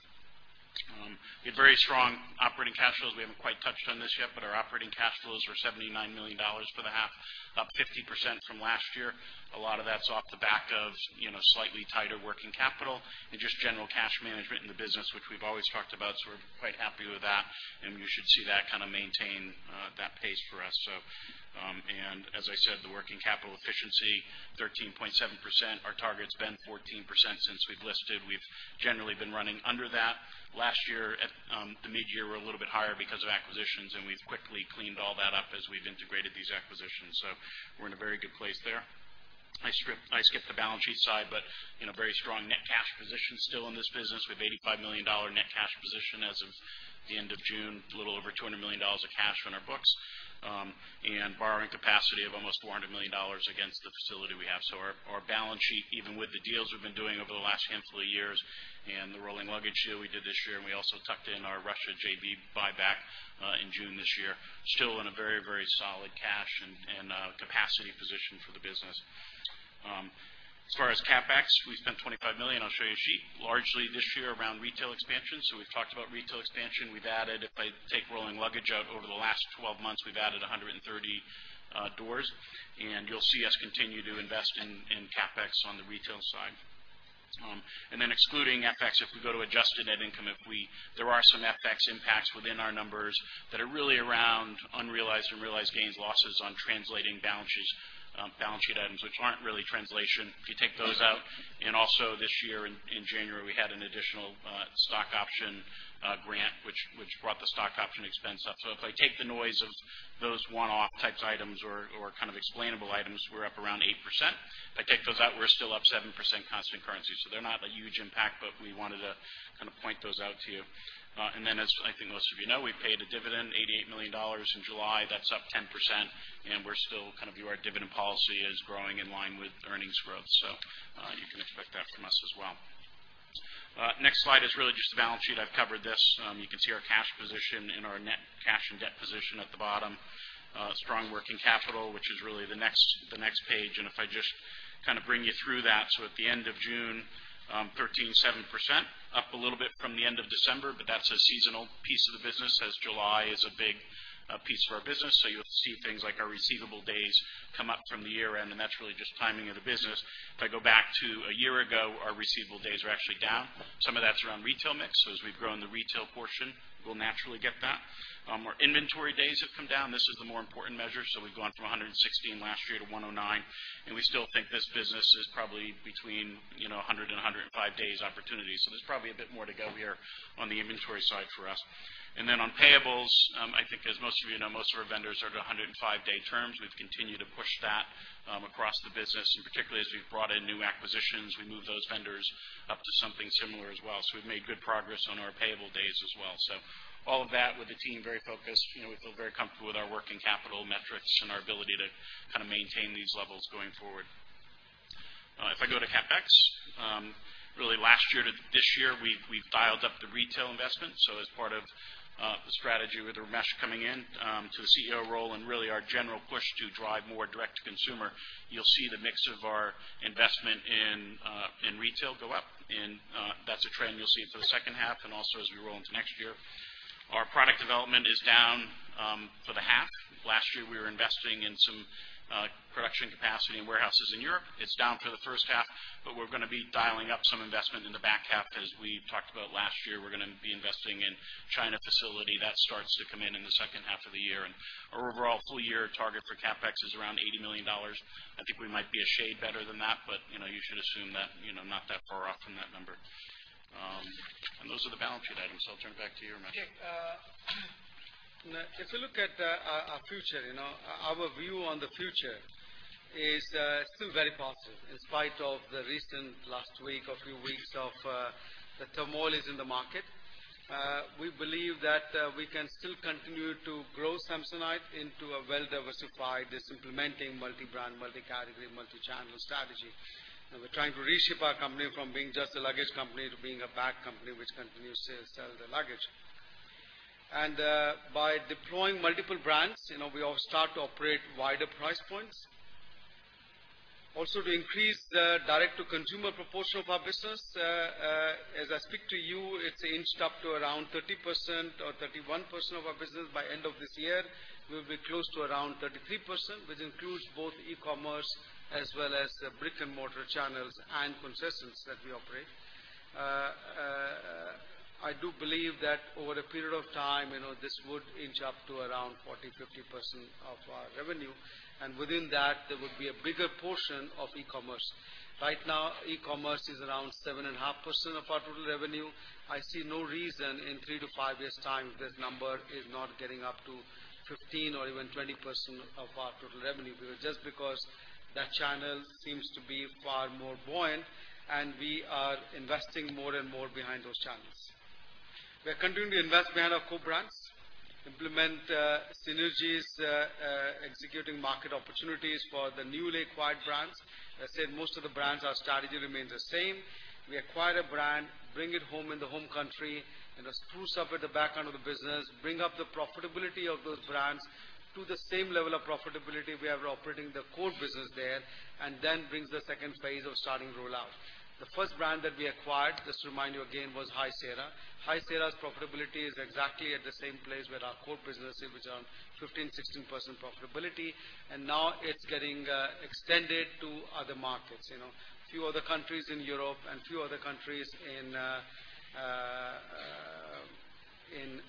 We had very strong operating cash flows. We haven't quite touched on this yet, but our operating cash flows were $79 million for the half, up 50% from last year. A lot of that's off the back of slightly tighter working capital and just general cash management in the business, which we've always talked about. We're quite happy with that, and we should see that maintain that pace for us. As I said, the working capital efficiency, 13.7%. Our target's been 14% since we've listed. We've generally been running under that. Last year at the mid-year, we were a little bit higher because of acquisitions, and we've quickly cleaned all that up as we've integrated these acquisitions. We're in a very good place there. I skipped the balance sheet side, but very strong net cash position still in this business. We have $85 million net cash position as of the end of June, a little over $200 million of cash on our books, and borrowing capacity of almost $400 million against the facility we have. Our balance sheet, even with the deals we've been doing over the last handful of years and the Rolling Luggage deal we did this year, and we also tucked in our Russia JV buyback, in June this year. Still in a very solid cash and capacity position for the business. As far as CapEx, we spent $25 million. I'll show you a sheet. Largely this year around retail expansion. We've talked about retail expansion. We've added, if I take Rolling Luggage out over the last 12 months, we've added 130 doors. You'll see us continue to invest in CapEx on the retail side. Excluding FX, if we go to adjusted net income, there are some FX impacts within our numbers that are really around unrealized and realized gains, losses on translating balance sheet items, which aren't really translation. If you take those out, and also this year in January, we had an additional stock option grant, which brought the stock option expense up. If I take the noise of those one-off type items or kind of explainable items, we're up around 8%. If I take those out, we're still up 7% constant currency. They're not a huge impact, but we wanted to kind of point those out to you. As I think most of you know, we paid a dividend, $88 million in July. That's up 10%. Our dividend policy is growing in line with earnings growth. So, you can expect that from us as well. Next slide is really just the balance sheet. I've covered this. You can see our cash position and our net cash and debt position at the bottom. Strong working capital, which is really the next page, and if I just bring you through that. So at the end of June, 13.7%, up a little bit from the end of December, but that's a seasonal piece of the business as July is a big piece of our business. You'll see things like our receivable days come up from the year-end, and that's really just timing of the business. If I go back to one year ago, our receivable days are actually down. Some of that's around retail mix. As we've grown the retail portion, we'll naturally get that. Our inventory days have come down. This is the more important measure. We've gone from 116 last year to 109, and we still think this business is probably between 100 and 105 days opportunity. There's probably a bit more to go here on the inventory side for us. On payables, I think as most of you know, most of our vendors are to 105-day terms. We've continued to push that across the business, and particularly as we've brought in new acquisitions, we move those vendors up to something similar as well. We've made good progress on our payable days as well. All of that with the team very focused. We feel very comfortable with our working capital metrics and our ability to kind of maintain these levels going forward. If I go to CapEx, really last year to this year, we've dialed up the retail investment. As part of the strategy with Ramesh coming in to the CEO role and really our general push to drive more direct-to-consumer, you'll see the mix of our investment in retail go up. That's a trend you'll see for the second half and also as we roll into next year. Our product development is down for the half. Last year, we were investing in some production capacity in warehouses in Europe. It's down for the first half, but we're going to be dialing up some investment in the back half. As we talked about last year, we're going to be investing in China facility. That starts to come in the second half of the year. Our overall full-year target for CapEx is around $80 million. I think we might be a shade better than that, but you should assume that not that far off from that number. Those are the balance sheet items. I'll turn it back to you, Ramesh. Okay. If you look at our future, our view on the future is still very positive in spite of the recent last week or few weeks of the turmoil is in the market. We believe that we can still continue to grow Samsonite into a well-diversified, this implementing multi-brand, multi-category, multi-channel strategy. We're trying to reshape our company from being just a luggage company to being a bag company, which continues to sell the luggage. By deploying multiple brands, we all start to operate wider price points. Also to increase the direct-to-consumer proportion of our business. As I speak to you, it's inched up to around 30% or 31% of our business. By end of this year, we'll be close to around 33%, which includes both e-commerce as well as brick-and-mortar channels and concessions that we operate. I do believe that over a period of time, this would inch up to around 40%-50% of our revenue. Within that, there would be a bigger portion of e-commerce. Right now, e-commerce is around 7.5% of our total revenue. I see no reason in three to five years' time, this number is not getting up to 15% or even 20% of our total revenue. Just because that channel seems to be far more buoyant and we are investing more and more behind those channels. We are continuing to invest behind our core brands, implement synergies, executing market opportunities for the newly acquired brands. As I said, most of the brands, our strategy remains the same. We acquire a brand, bring it home in the home country, spruce up at the back end of the business, bring up the profitability of those brands to the same level of profitability we have operating the core business there, then brings the second phase of starting rollout. The first brand that we acquired, just to remind you again, was High Sierra. High Sierra's profitability is exactly at the same place where our core business is, which are 15%-16% profitability. Now it's getting extended to other markets. Few other countries in Europe and few other countries in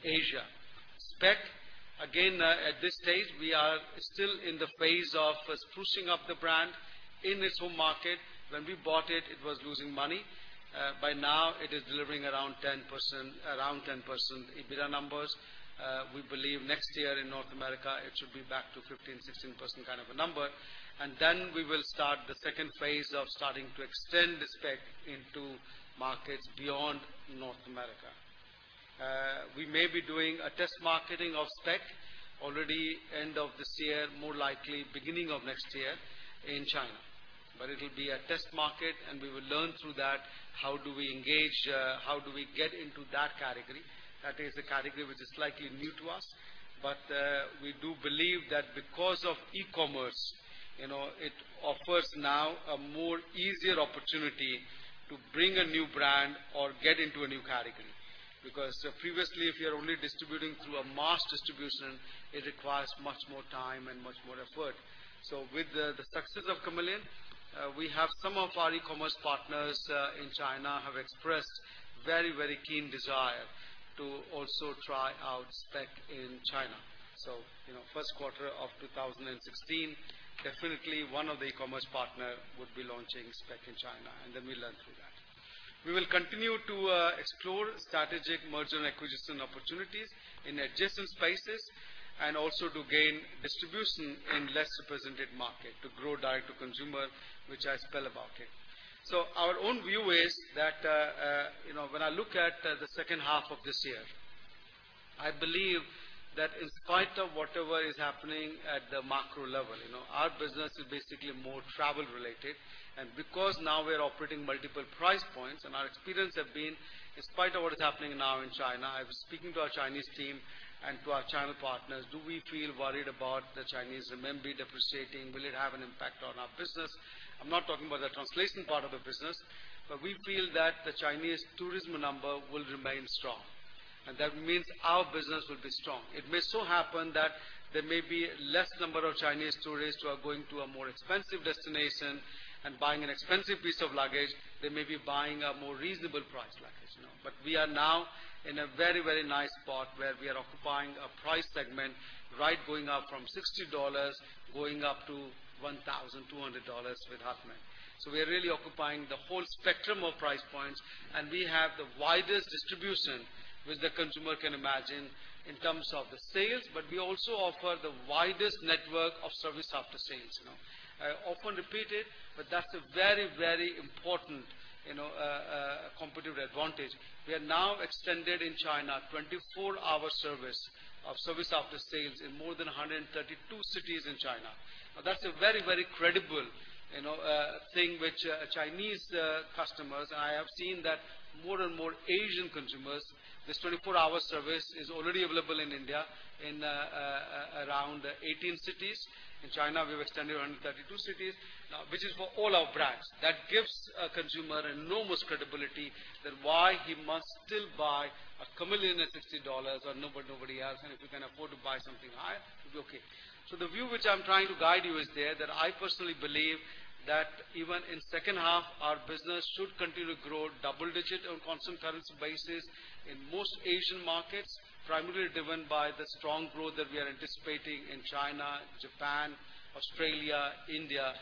Asia. Speck, again, at this stage, we are still in the phase of sprucing up the brand in its home market. When we bought it was losing money. By now it is delivering around 10% EBITDA numbers. We believe next year in North America, it should be back to 15%-16% kind of a number. Then we will start the second phase of starting to extend Speck into markets beyond North America. We may be doing a test marketing of Speck already end of this year, more likely beginning of next year in China. It will be a test market and we will learn through that how do we engage, how do we get into that category. That is a category which is slightly new to us. We do believe that because of e-commerce, it offers now a more easier opportunity to bring a new brand or get into a new category. Previously, if you're only distributing through a mass distribution, it requires much more time and much more effort. With the success of Kamiliant, we have some of our e-commerce partners in China have expressed very keen desire to also try out Speck in China. First quarter of 2016, definitely one of the e-commerce partner would be launching Speck in China, then we'll learn through that. We will continue to explore strategic merger and acquisition opportunities in adjacent spaces and also to gain distribution in less represented market to grow direct to consumer, which I spell about it. Our own view is that, when I look at the second half of this year, I believe that in spite of whatever is happening at the macro level, our business is basically more travel related. Because now we're operating multiple price points and our experience have been, in spite of what is happening now in China, I was speaking to our Chinese team and to our channel partners. Do we feel worried about the Chinese renminbi depreciating? Will it have an impact on our business? I'm not talking about the translation part of the business, we feel that the Chinese tourism number will remain strong. That means our business will be strong. It may so happen that there may be less number of Chinese tourists who are going to a more expensive destination and buying an expensive piece of luggage. They may be buying a more reasonable price luggage. We are now in a very nice spot where we are occupying a price segment right going up from $60 going up to $1,200 with Hartmann. We are really occupying the whole spectrum of price points, and we have the widest distribution which the consumer can imagine in terms of the sales, we also offer the widest network of service after sales. I often repeat it, that's a very important competitive advantage. We have now extended in China 24-hour service of service after sales in more than 132 cities in China. That's a very, very credible thing which Chinese customers, and I have seen that more and more Asian consumers. This 24-hour service is already available in India in around 18 cities. In China, we have extended to 132 cities now, which is for all our brands. That gives a consumer enormous credibility that why he must still buy a Kamiliant at $60 or nobody else. If you can afford to buy something higher, it'll be okay. The view which I'm trying to guide you is there that I personally believe that even in second half our business should continue to grow double-digit on constant currency basis in most Asian markets, primarily driven by the strong growth that we are anticipating in China, Japan, Australia, India,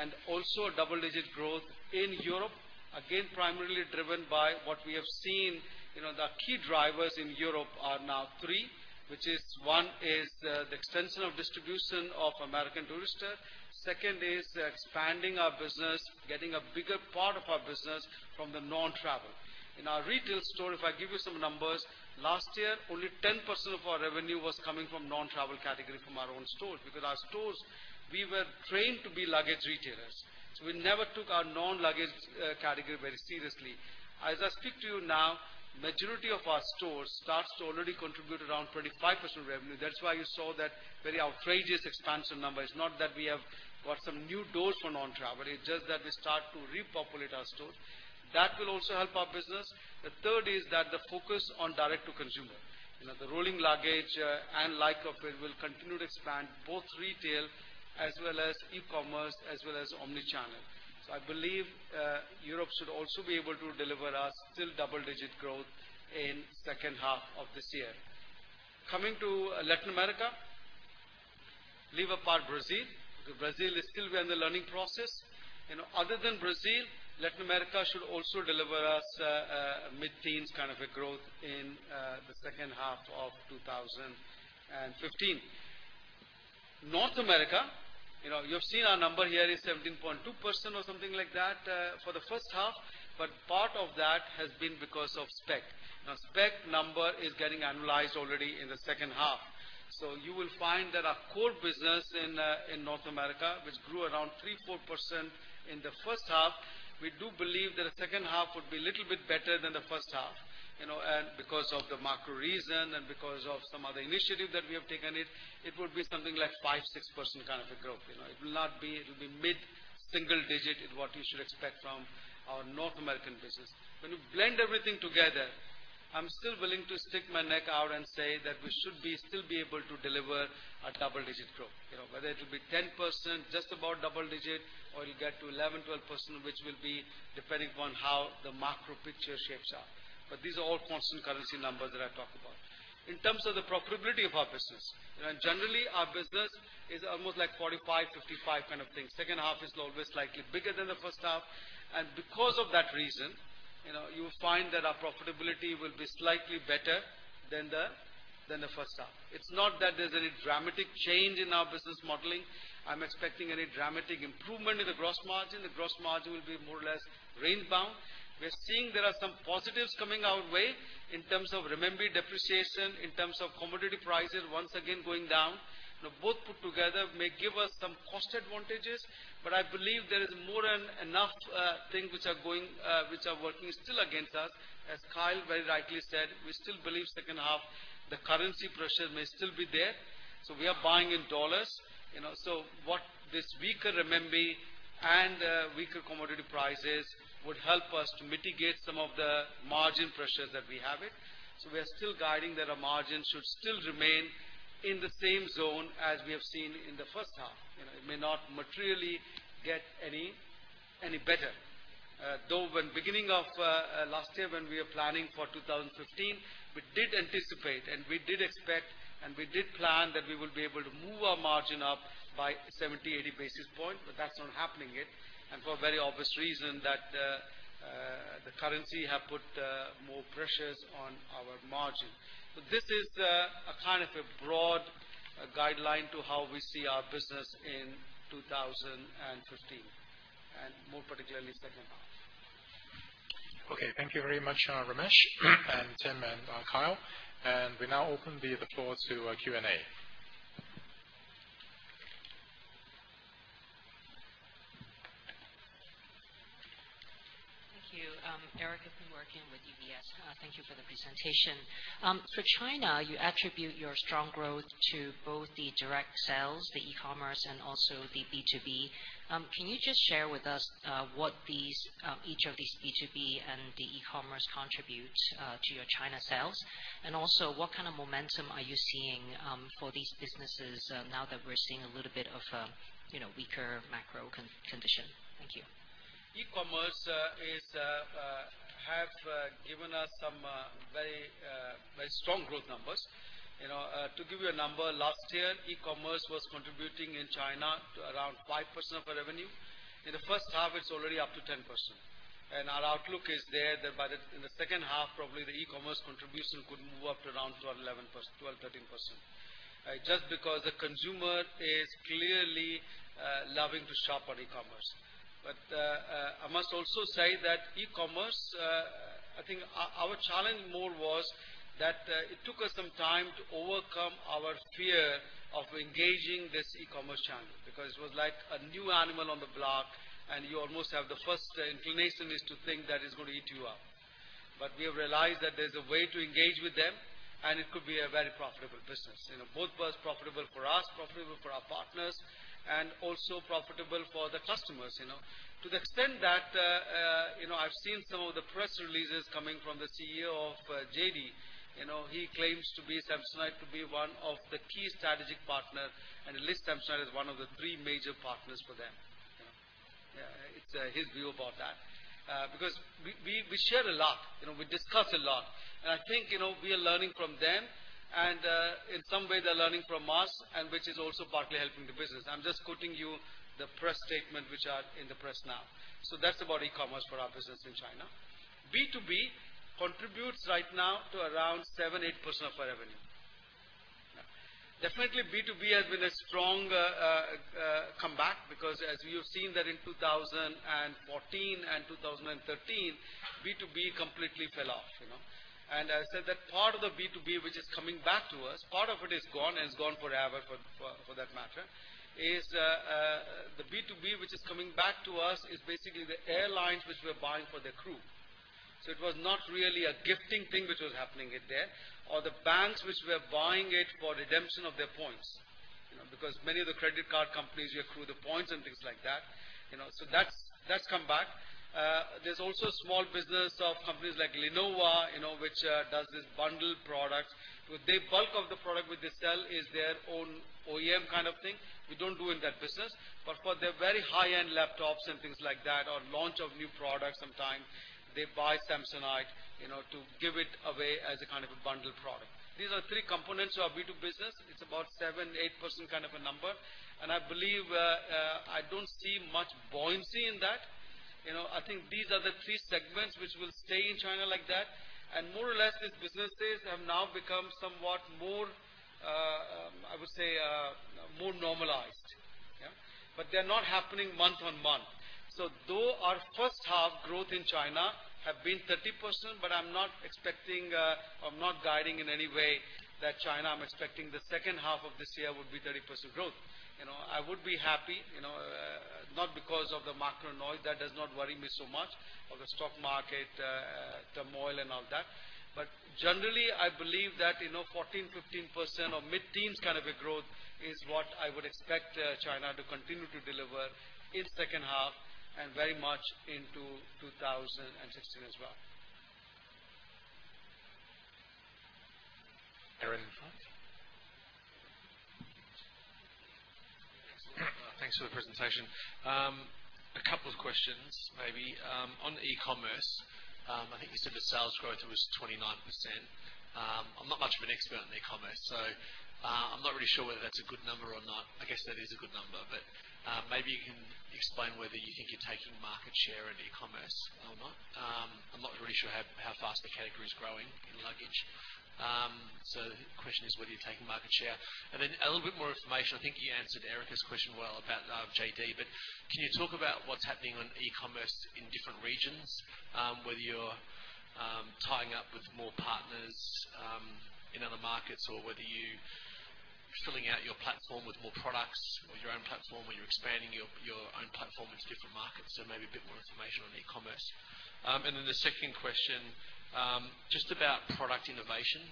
and also double-digit growth in Europe. Again, primarily driven by what we have seen. The key drivers in Europe are now three, which is one is the extension of distribution of American Tourister. Second is expanding our business, getting a bigger part of our business from the non-travel. In our retail store, if I give you some numbers, last year only 10% of our revenue was coming from non-travel category from our own stores because our stores, we were trained to be luggage retailers, we never took our non-luggage category very seriously. As I speak to you now, majority of our stores starts to already contribute around 25% revenue. That's why you saw that very outrageous expansion number. It's not that we have got some new doors for non-travel, it's just that we start to repopulate our stores. That will also help our business. The third is that the focus on direct-to-consumer. The Rolling Luggage and like of it will continue to expand both retail as well as e-commerce as well as omni-channel. I believe Europe should also be able to deliver us still double-digit growth in second half of this year. Coming to Latin America. Leave apart Brazil, because Brazil is still in the learning process. Other than Brazil, Latin America should also deliver us a mid-teens kind of a growth in the second half of 2015. North America, you've seen our number here is 17.2% or something like that for the first half, but part of that has been because of Speck. Speck number is getting annualized already in the second half. You will find that our core business in North America, which grew around three, 4% in the first half, we do believe that the second half would be a little bit better than the first half. Because of the macro reason and because of some other initiative that we have taken, it would be something like five, 6% kind of a growth. It will be mid-single digit is what you should expect from our North American business. When you blend everything together, I'm still willing to stick my neck out and say that we should still be able to deliver a double-digit growth. Whether it'll be 10%, just about double digit or you'll get to 11%, 12%, which will be depending upon how the macro picture shapes up. These are all constant currency numbers that I talk about. In terms of the profitability of our business. Generally, our business is almost like 45%, 55% kind of thing. Second half is always slightly bigger than the first half. Because of that reason, you will find that our profitability will be slightly better than the first half. It's not that there's any dramatic change in our business modeling. I'm expecting any dramatic improvement in the gross margin. The gross margin will be more or less range bound. We're seeing there are some positives coming our way in terms of renminbi depreciation, in terms of commodity prices once again going down. Both put together may give us some cost advantages, but I believe there is more and enough things which are working still against us. As Kyle very rightly said, we still believe second half the currency pressure may still be there. We are buying in dollars. What this weaker renminbi and weaker commodity prices would help us to mitigate some of the margin pressures that we having. We are still guiding that our margins should still remain in the same zone as we have seen in the first half. It may not materially get any better. Though when beginning of last year when we were planning for 2015, we did anticipate, and we did expect, and we did plan that we will be able to move our margin up by 70, 80 basis points, but that's not happening yet. For very obvious reason that the currency have put more pressures on our margin. This is a kind of a broad guideline to how we see our business in 2015 and more particularly second half. Okay. Thank you very much, Ramesh and Tim and Kyle. We now open the floor to Q&A. Thank you. Erica Ku Workin with UBS. Thank you for the presentation. For China, you attribute your strong growth to both the direct sales, the e-commerce, and also the B2B. Can you just share with us what each of these B2B and the e-commerce contribute to your China sales? Also, what kind of momentum are you seeing for these businesses now that we're seeing a little bit of weaker macro condition? Thank you. E-commerce have given us some very strong growth numbers. To give you a number, last year e-commerce was contributing in China to around 5% of our revenue. In the first half, it's already up to 10%. Our outlook is there that in the second half, probably the e-commerce contribution could move up to around 12%, 13%. Just because the consumer is clearly loving to shop on e-commerce. I must also say that e-commerce, I think our challenge more was that it took us some time to overcome our fear of engaging this e-commerce channel because it was like a new animal on the block, and you almost have the first inclination is to think that it's going to eat you up. We have realized that there's a way to engage with them, and it could be a very profitable business. Both profitable for us, profitable for our partners, and also profitable for the customers. To the extent that I've seen some of the press releases coming from the CEO of JD.com. He claims Samsonite to be one of the key strategic partner, and he lists Samsonite as one of the three major partners for them. It's his view about that. Because we share a lot, we discuss a lot. I think, we are learning from them, and in some way, they're learning from us, and which is also partly helping the business. I'm just quoting you the press statement, which are in the press now. That's about e-commerce for our business in China. B2B contributes right now to around 7%, 8% of our revenue. Definitely B2B has been a strong comeback because as you have seen that in 2014 and 2013, B2B completely fell off. I said that part of the B2B, which is coming back to us, part of it is gone and is gone forever for that matter, is the B2B, which is coming back to us, is basically the airlines which were buying for their crew. It was not really a gifting thing which was happening there. The banks which were buying it for redemption of their points. Because many of the credit card companies, you accrue the points and things like that. That's come back. There's also small business of companies like Lenovo, which does this bundle products. The bulk of the product which they sell is their own OEM kind of thing. We don't do in that business. For their very high-end laptops and things like that, or launch of new products sometime, they buy Samsonite to give it away as a kind of a bundle product. These are three components of our B2B business. It's about 7%-8% kind of a number. I believe, I don't see much buoyancy in that. I think these are the three segments which will stay in China like that. More or less, these businesses have now become somewhat more, I would say, more normalized. Yeah. They're not happening month-on-month. Though our first half growth in China have been 30%, I'm not expecting, I'm not guiding in any way that China, I'm expecting the second half of this year would be 30% growth. I would be happy, not because of the macro noise, that does not worry me so much, or the stock market turmoil and all that. Generally, I believe that 14%-15% or mid-teens kind of a growth is what I would expect China to continue to deliver in second half and very much into 2016 as well. Aaron in the front. Thanks for the presentation. A couple of questions maybe. On e-commerce, I think you said the sales growth was 29%. I'm not much of an expert on e-commerce, so I'm not really sure whether that's a good number or not. I guess that is a good number, but maybe you can explain whether you think you're taking market share in e-commerce or not. I'm not really sure how fast the category is growing in luggage. The question is whether you're taking market share. A little bit more information. I think you answered Erica's question well about JD.com. Can you talk about what's happening on e-commerce in different regions, whether you're tying up with more partners in other markets or whether you're filling out your platform with more products or your own platform, or you're expanding your own platform into different markets? Maybe a bit more information on e-commerce. The second question, just about product innovation.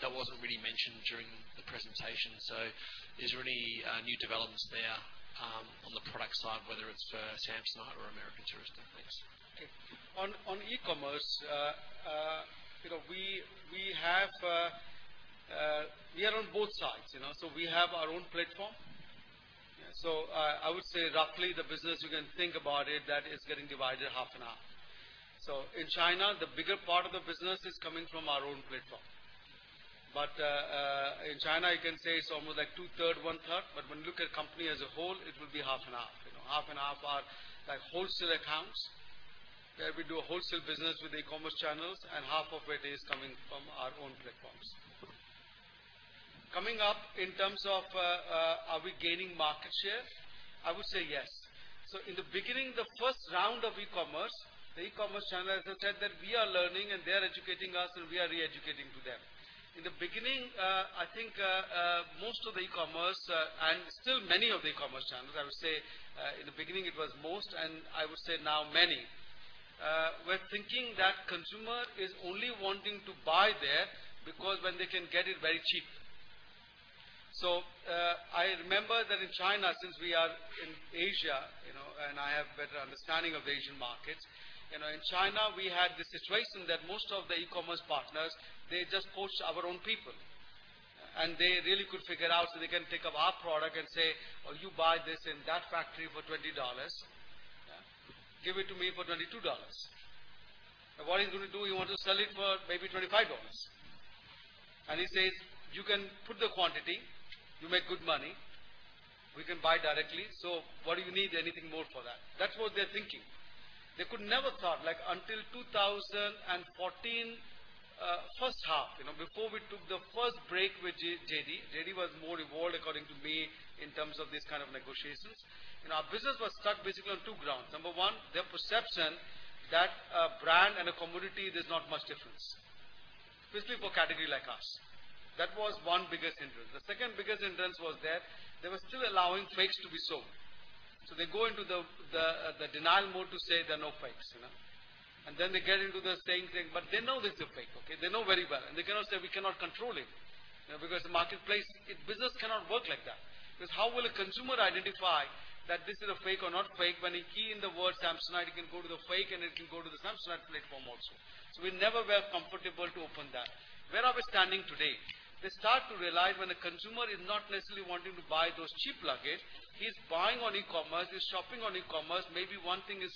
That wasn't really mentioned during the presentation. Is there any new developments there on the product side, whether it's for Samsonite or American Tourister? Thanks. Okay. On e-commerce, we are on both sides. We have our own platform. I would say roughly the business, you can think about it, that is getting divided half and half. In China, the bigger part of the business is coming from our own platform. In China, you can say it's almost like two-third, one-third. When you look at company as a whole, it will be half and half. Half and half are like wholesale accounts, where we do a wholesale business with e-commerce channels, and half of it is coming from our own platforms. Coming up in terms of are we gaining market share? I would say yes. In the beginning, the first round of e-commerce, the e-commerce channel, as I said, that we are learning, and they are educating us, and we are re-educating to them. In the beginning, I think, most of the e-commerce, and still many of the e-commerce channels, I would say, in the beginning it was most, and I would say now many, were thinking that consumer is only wanting to buy there because when they can get it very cheap. I remember that in China, since we are in Asia, and I have better understanding of the Asian markets. In China, we had the situation that most of the e-commerce partners, they just poach our own people. They really could figure out so they can take up our product and say, "Oh, you buy this in that factory for $20. Give it to me for $22." What he's going to do, he want to sell it for maybe $25. He says, "You can put the quantity, you make good money. What do you need anything more for that?" That's what they're thinking. They could never thought like until 2014 first half, before we took the first break with JD.com. JD.com was more involved, according to me, in terms of these kind of negotiations. Our business was stuck basically on two grounds. Number one, their perception that a brand and a commodity, there's not much difference, basically, for category like us. That was one biggest hindrance. The second biggest hindrance was there, they were still allowing fakes to be sold. They go into the denial mode to say there are no fakes. They get into the same thing, but they know this is a fake. Okay? They know very well, and they cannot say we cannot control it. The marketplace, business cannot work like that. How will a consumer identify that this is a fake or not fake when he key in the word Samsonite, he can go to the fake and he can go to the Samsonite platform also. We never were comfortable to open that. Where are we standing today? They start to realize when a consumer is not necessarily wanting to buy those cheap luggage. He's buying on e-commerce, he's shopping on e-commerce. Maybe one thing is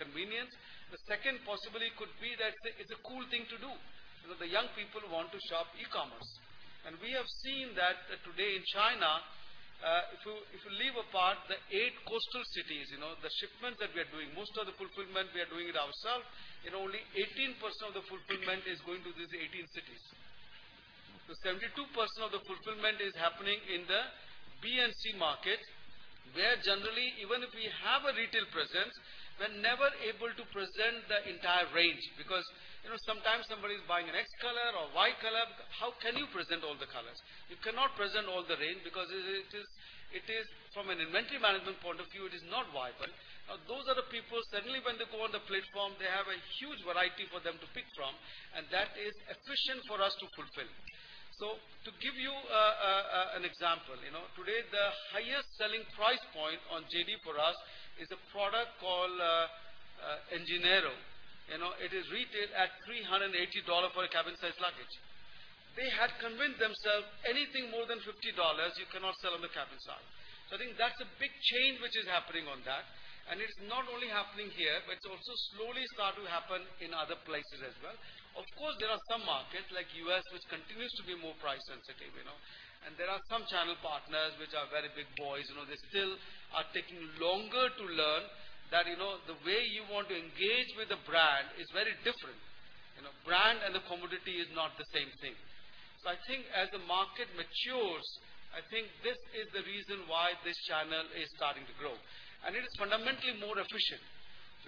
convenience. The second possibility could be that it's a cool thing to do. The young people want to shop e-commerce. We have seen that today in China, if you leave apart the eight coastal cities, the shipment that we are doing, most of the fulfillment we are doing it ourself, and only 18% of the fulfillment is going to these 18 cities. 72% of the fulfillment is happening in the B&C market, where generally, even if we have a retail presence, we're never able to present the entire range because, sometimes somebody's buying an X color or Y color, how can you present all the colors? You cannot present all the range because it is from an inventory management point of view, it is not viable. Those are the people, suddenly when they go on the platform, they have a huge variety for them to pick from, and that is efficient for us to fulfill. To give you an example, today the highest selling price point on JD.com for us is a product called Inova. It is retailed at $380 for a cabin size luggage. They had convinced themselves anything more than $50, you cannot sell on the cabin size. I think that's a big change which is happening on that, it's not only happening here, but it's also slowly start to happen in other places as well. Of course, there are some markets, like U.S., which continues to be more price sensitive. There are some channel partners which are very big boys. They still are taking longer to learn that the way you want to engage with a brand is very different. Brand and the commodity is not the same thing. I think as the market matures, I think this is the reason why this channel is starting to grow. It is fundamentally more efficient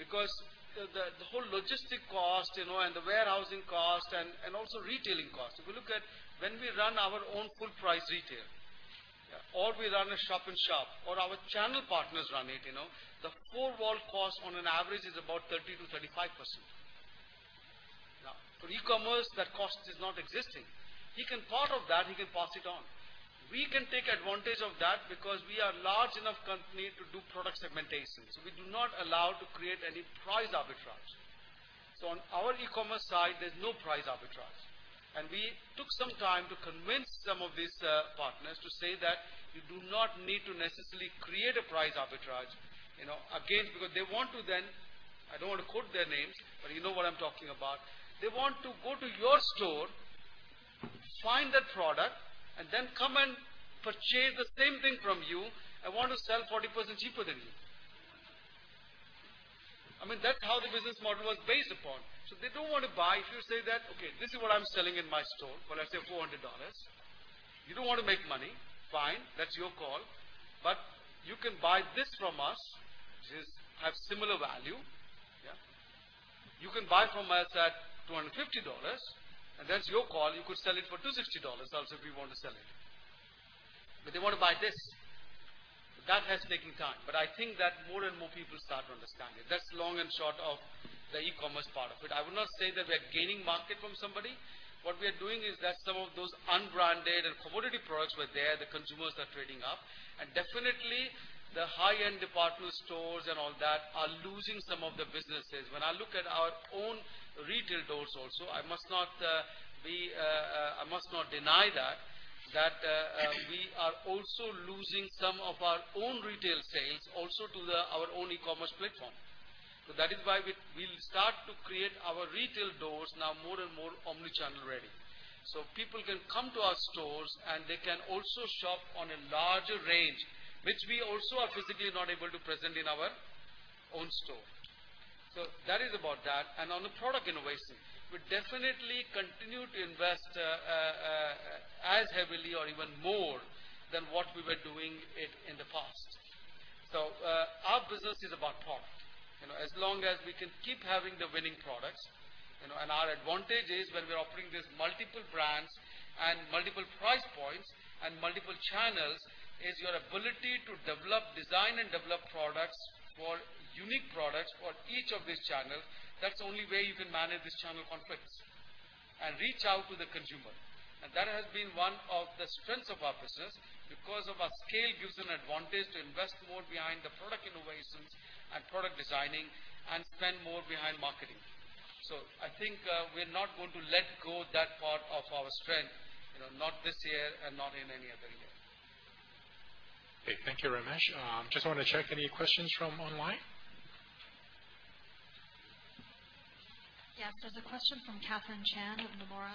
because the whole logistic cost and the warehousing cost and also retailing cost. If you look at when we run our own full price retail, or we run a shop in shop, or our channel partners run it, the four-wall cost on an average is about 30%-35%. For e-commerce, that cost is not existing. He can part of that, he can pass it on. We can take advantage of that because we are large enough company to do product segmentation. We do not allow to create any price arbitrage. On our e-commerce side, there's no price arbitrage. We took some time to convince some of these partners to say that you do not need to necessarily create a price arbitrage, again, because they want to then, I don't want to quote their names, but you know what I'm talking about. They want to go to your store, find that product, and then come and purchase the same thing from you and want to sell 40% cheaper than you. I mean, that's how the business model was based upon. They don't want to buy if you say that, "Okay, this is what I'm selling in my store for, let's say, $400. You don't want to make money, fine, that's your call. You can buy this from us, which have similar value. You can buy from us at $250, and that's your call. You could sell it for $260 also, if you want to sell it." They want to buy this. That has taken time, but I think that more and more people start to understand it. That's long and short of the e-commerce part of it. I would not say that we're gaining market from somebody. What we are doing is that some of those unbranded and commodity products were there, the consumers are trading up. Definitely, the high-end department stores and all that are losing some of the businesses. When I look at our own retail stores also, I must not deny that, we are also losing some of our own retail sales also to our own e-commerce platform. That is why we'll start to create our retail stores now more and more omni-channel ready. People can come to our stores, and they can also shop on a larger range, which we also are physically not able to present in our own store. That is about that. On the product innovation, we definitely continue to invest as heavily or even more than what we were doing it in the past. Our business is about product. As long as we can keep having the winning products, our advantage is when we're offering these multiple brands and multiple price points and multiple channels, is your ability to design and develop products for unique products for each of these channels. That's the only way you can manage these channel conflicts and reach out to the consumer. That has been one of the strengths of our business because of our scale gives an advantage to invest more behind the product innovations and product designing and spend more behind marketing. I think we're not going to let go that part of our strength, not this year and not in any other year. Okay. Thank you, Ramesh. Just want to check any questions from online? Yes. There's a question from Catherine Chan of Nomura.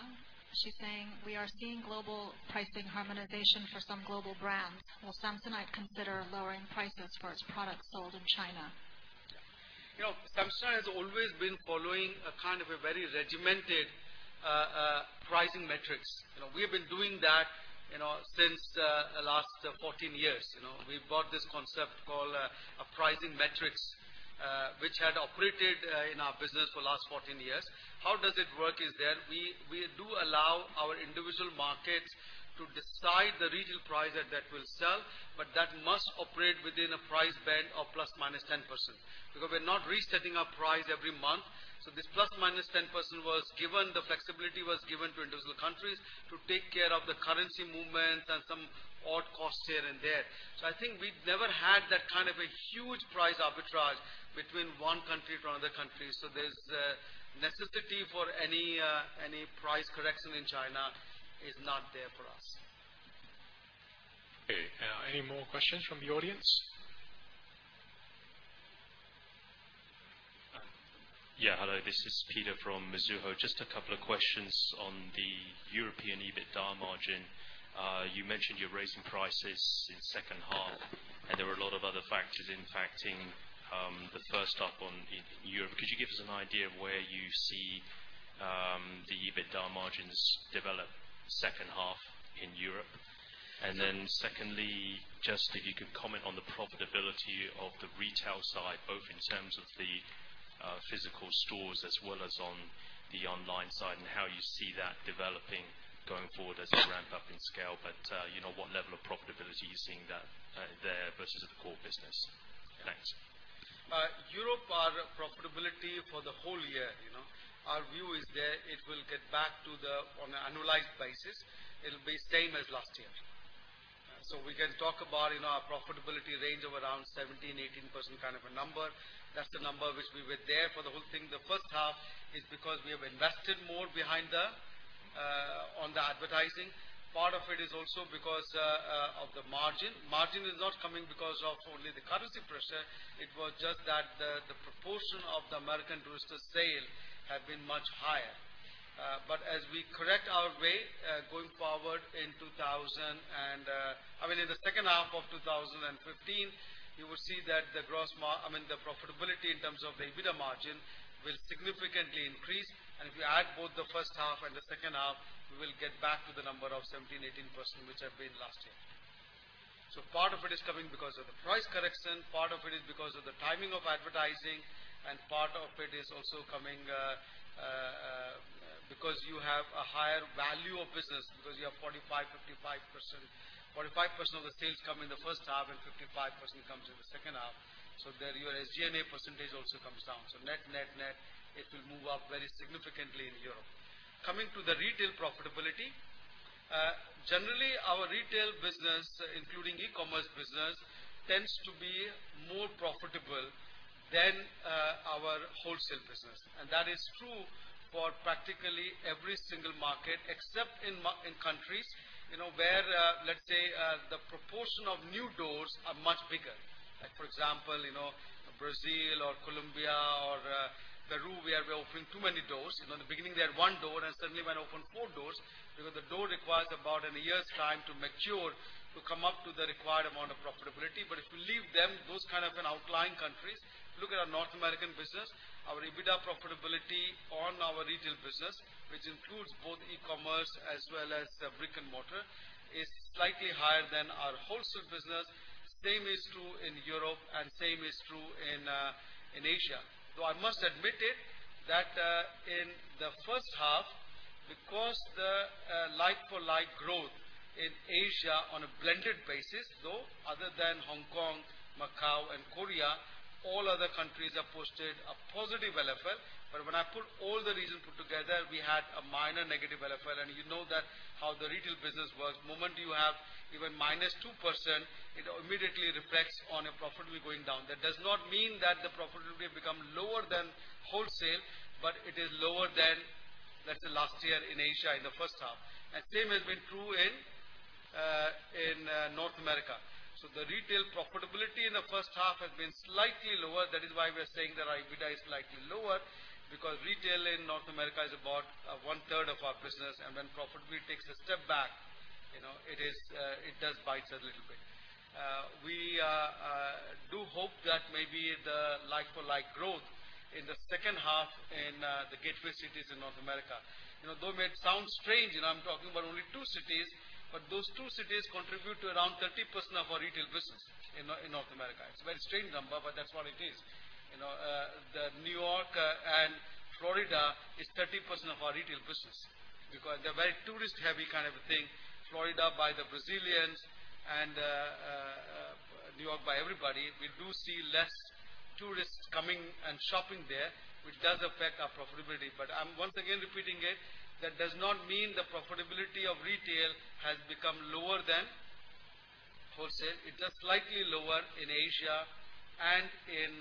She's saying, "We are seeing global pricing harmonization for some global brands. Will Samsonite consider lowering prices for its products sold in China? Samsonite has always been following a kind of a very regimented pricing metrics. We've been doing that since the last 14 years. We've got this concept called a pricing metrics, which had operated in our business for the last 14 years. How does it work is that we do allow our individual markets to decide the regional price at that we'll sell, but that must operate within a price band of ±10%, because we're not resetting our price every month. This ±10% was given, the flexibility was given to individual countries to take care of the currency movements and some odd costs here and there. I think we've never had that kind of a huge price arbitrage between one country to another country. There's a necessity for any price correction in China is not there for us. Okay. Any more questions from the audience? Yeah. Hello, this is Peter from Mizuho. Just a couple of questions on the European EBITDA margin. You mentioned you're raising prices in second half, and there were a lot of other factors impacting the first half in Europe. Could you give us an idea of where you see the EBITDA margins develop second half in Europe? Secondly, just if you could comment on the profitability of the retail side, both in terms of the physical stores as well as on the online side, and how you see that developing going forward as you ramp up in scale. What level of profitability are you seeing there versus the core business? Thanks. Europe, our profitability for the whole year, our view is there, it will get back to, on an annualized basis, it'll be same as last year. We can talk about our profitability range of around 17%-18% kind of a number. That's the number which we were there for the whole thing. The first half is because we have invested more behind the advertising. Part of it is also because of the margin. Margin is not coming because of only the currency pressure. It was just that the proportion of the American Tourister sale had been much higher. As we correct our way, going forward in the second half of 2015, you will see that the profitability in terms of the EBITDA margin will significantly increase. If you add both the first half and the second half, we will get back to the number of 17%-18%, which had been last year. Part of it is coming because of the price correction, part of it is because of the timing of advertising, and part of it is also coming because you have a higher value of business because 45% of the sales come in the first half and 55% comes in the second half. There your SG&A percentage also comes down. Net, it will move up very significantly in Europe. Coming to the retail profitability. Generally our retail business, including e-commerce business, tends to be more profitable than our wholesale business. That is true for practically every single market except in countries where, let's say, the proportion of new doors are much bigger. For example, Brazil or Colombia or Peru, where we open too many doors. In the beginning, they had one door and suddenly went open four doors because the door requires about a year's time to mature to come up to the required amount of profitability. If you leave them, those kind of an outlying countries, look at our North American business. Our EBITDA profitability on our retail business, which includes both e-commerce as well as brick and mortar, is slightly higher than our wholesale business. Same is true in Europe and same is true in Asia. Though I must admit it, that in the first half, because the like-for-like growth in Asia on a blended basis, though other than Hong Kong, Macau, and Korea, all other countries have posted a positive LFL. When I put all the regions put together, we had a minor negative LFL. You know that how the retail business works. Moment you have even -2%, it immediately reflects on your profitability going down. That does not mean that the profitability become lower than wholesale, but it is lower than, let's say, last year in Asia in the first half. Same has been true in North America. The retail profitability in the first half has been slightly lower. That is why we are saying that our EBITDA is slightly lower because retail in North America is about 1/3 of our business. When profitability takes a step back, it does bite us a little bit. We do hope that maybe the like-for-like growth in the second half in the gateway cities in North America. Though it may sound strange, and I'm talking about only two cities, but those two cities contribute to around 30% of our retail business in North America. It's a very strange number, but that's what it is. New York and Florida is 30% of our retail business because they're very tourist heavy kind of a thing. Florida by the Brazilians and New York by everybody. We do see less tourists coming and shopping there, which does affect our profitability. I'm once again repeating it, that does not mean the profitability of retail has become lower than wholesale. It's just slightly lower in Asia and in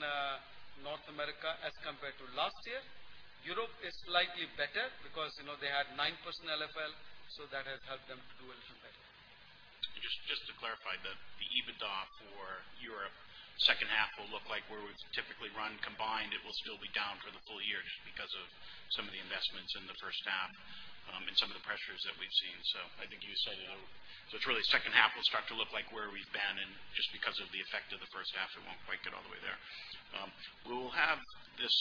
North America as compared to last year. Europe is slightly better because they had 9% LFL, that has helped them to do a little better. Just to clarify, the EBITDA for Europe second half will look like where we've typically run combined. It will still be down for the full year just because of some of the investments in the first half and some of the pressures that we've seen. I think you said, it's really second half will start to look like where we've been, just because of the effect of the first half, it won't quite get all the way there. We will have this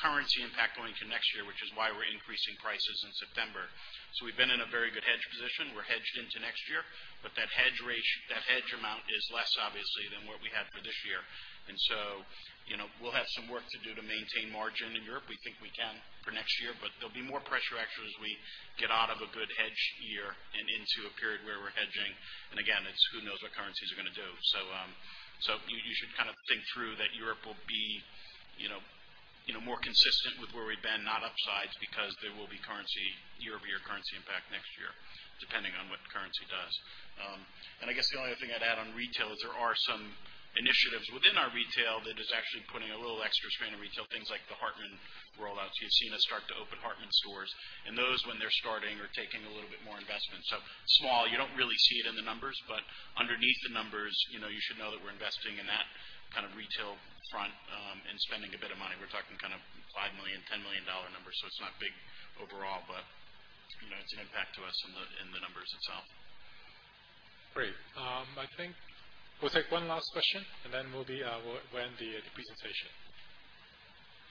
currency impact going into next year, which is why we're increasing prices in September. We've been in a very good hedge position. We're hedged into next year, but that hedge amount is less, obviously, than what we had for this year. We'll have some work to do to maintain margin in Europe. We think we can for next year, there'll be more pressure, actually, as we get out of a good hedge year and into a period where we're hedging. Again, it's who knows what currencies are going to do. You should think through that Europe will be more consistent with where we've been, not upsides, because there will be year-over-year currency impact next year, depending on what currency does. I guess the only other thing I'd add on retail is there are some initiatives within our retail that is actually putting a little extra strain on retail, things like the Hartmann rollouts. You've seen us start to open Hartmann stores. Those, when they're starting, are taking a little bit more investment. Small, you don't really see it in the numbers, but underneath the numbers, you should know that we're investing in that kind of retail front and spending a bit of money. We're talking kind of $5 million, $10 million numbers. It's not big overall, but it's an impact to us in the numbers itself. Great. I think we'll take one last question, and then we'll end the presentation.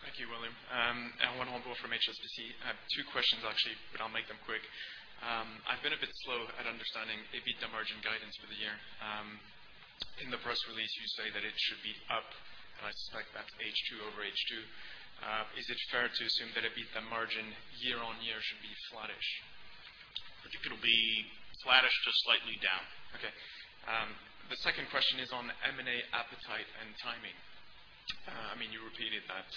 Thank you, William. Alain Hornblow from HSBC. I have two questions, actually, I'll make them quick. I've been a bit slow at understanding EBITDA margin guidance for the year. In the press release, you say that it should be up, I suspect that's H2 over H2. Is it fair to assume that EBITDA margin year-on-year should be flattish? I think it'll be flattish to slightly down. The second question is on M&A appetite and timing. You repeated that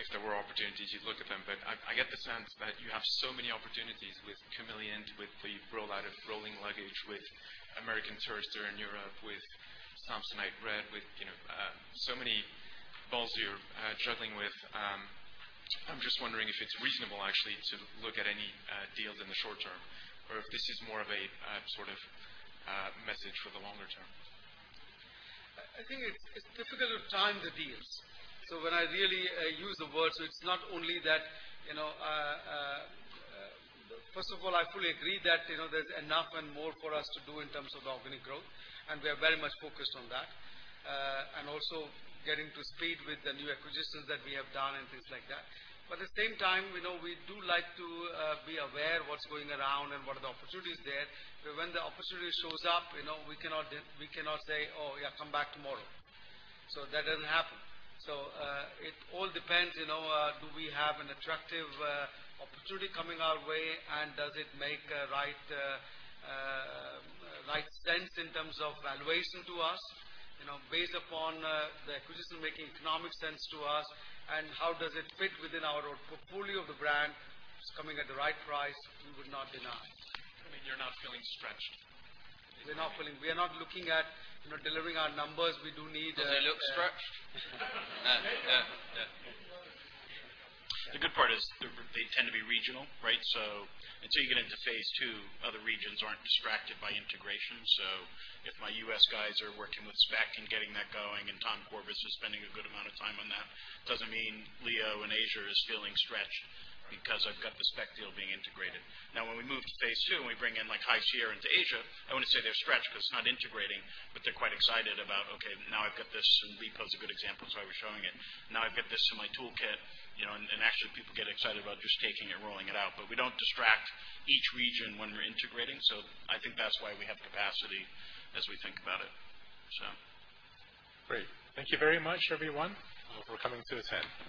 if there were opportunities, you'd look at them. I get the sense that you have so many opportunities with Kamiliant, with the rollout of Rolling Luggage, with American Tourister in Europe, with Samsonite Red, with so many balls you're juggling with. I'm just wondering if it's reasonable, actually, to look at any deals in the short term, or if this is more of a sort of message for the longer term. I think it's difficult to time the deals. When I really use the words, First of all, I fully agree that there's enough and more for us to do in terms of the organic growth, and we are very much focused on that. Also getting to speed with the new acquisitions that we have done and things like that. At the same time, we do like to be aware of what's going around and what are the opportunities there. When the opportunity shows up, we cannot say, "Oh yeah, come back tomorrow." That doesn't happen. It all depends. Do we have an attractive opportunity coming our way, and does it make right sense in terms of valuation to us based upon the acquisition making economic sense to us, and how does it fit within our portfolio of the brand? If it's coming at the right price, we would not deny. You mean you're not feeling stretched? We are not looking at delivering our numbers. Do they look stretched? The good part is they tend to be regional, right? Until you get into phase II, other regions aren't distracted by integration. If my U.S. guys are working with Speck and getting that going, and Tom Korbas is spending a good amount of time on that, doesn't mean Leo in Asia is feeling stretched because I've got the Speck deal being integrated. Now, when we move to phase II and we bring in like High Sierra into Asia, I wouldn't say they're stretched because it's not integrating, but they're quite excited about, "Okay, now I've got this," and Repose a good example, that's why we're showing it. "Now I've got this in my toolkit." Actually, people get excited about just taking it and rolling it out. We don't distract each region when we're integrating. I think that's why we have capacity as we think about it. Great. Thank you very much, everyone, for coming to attend.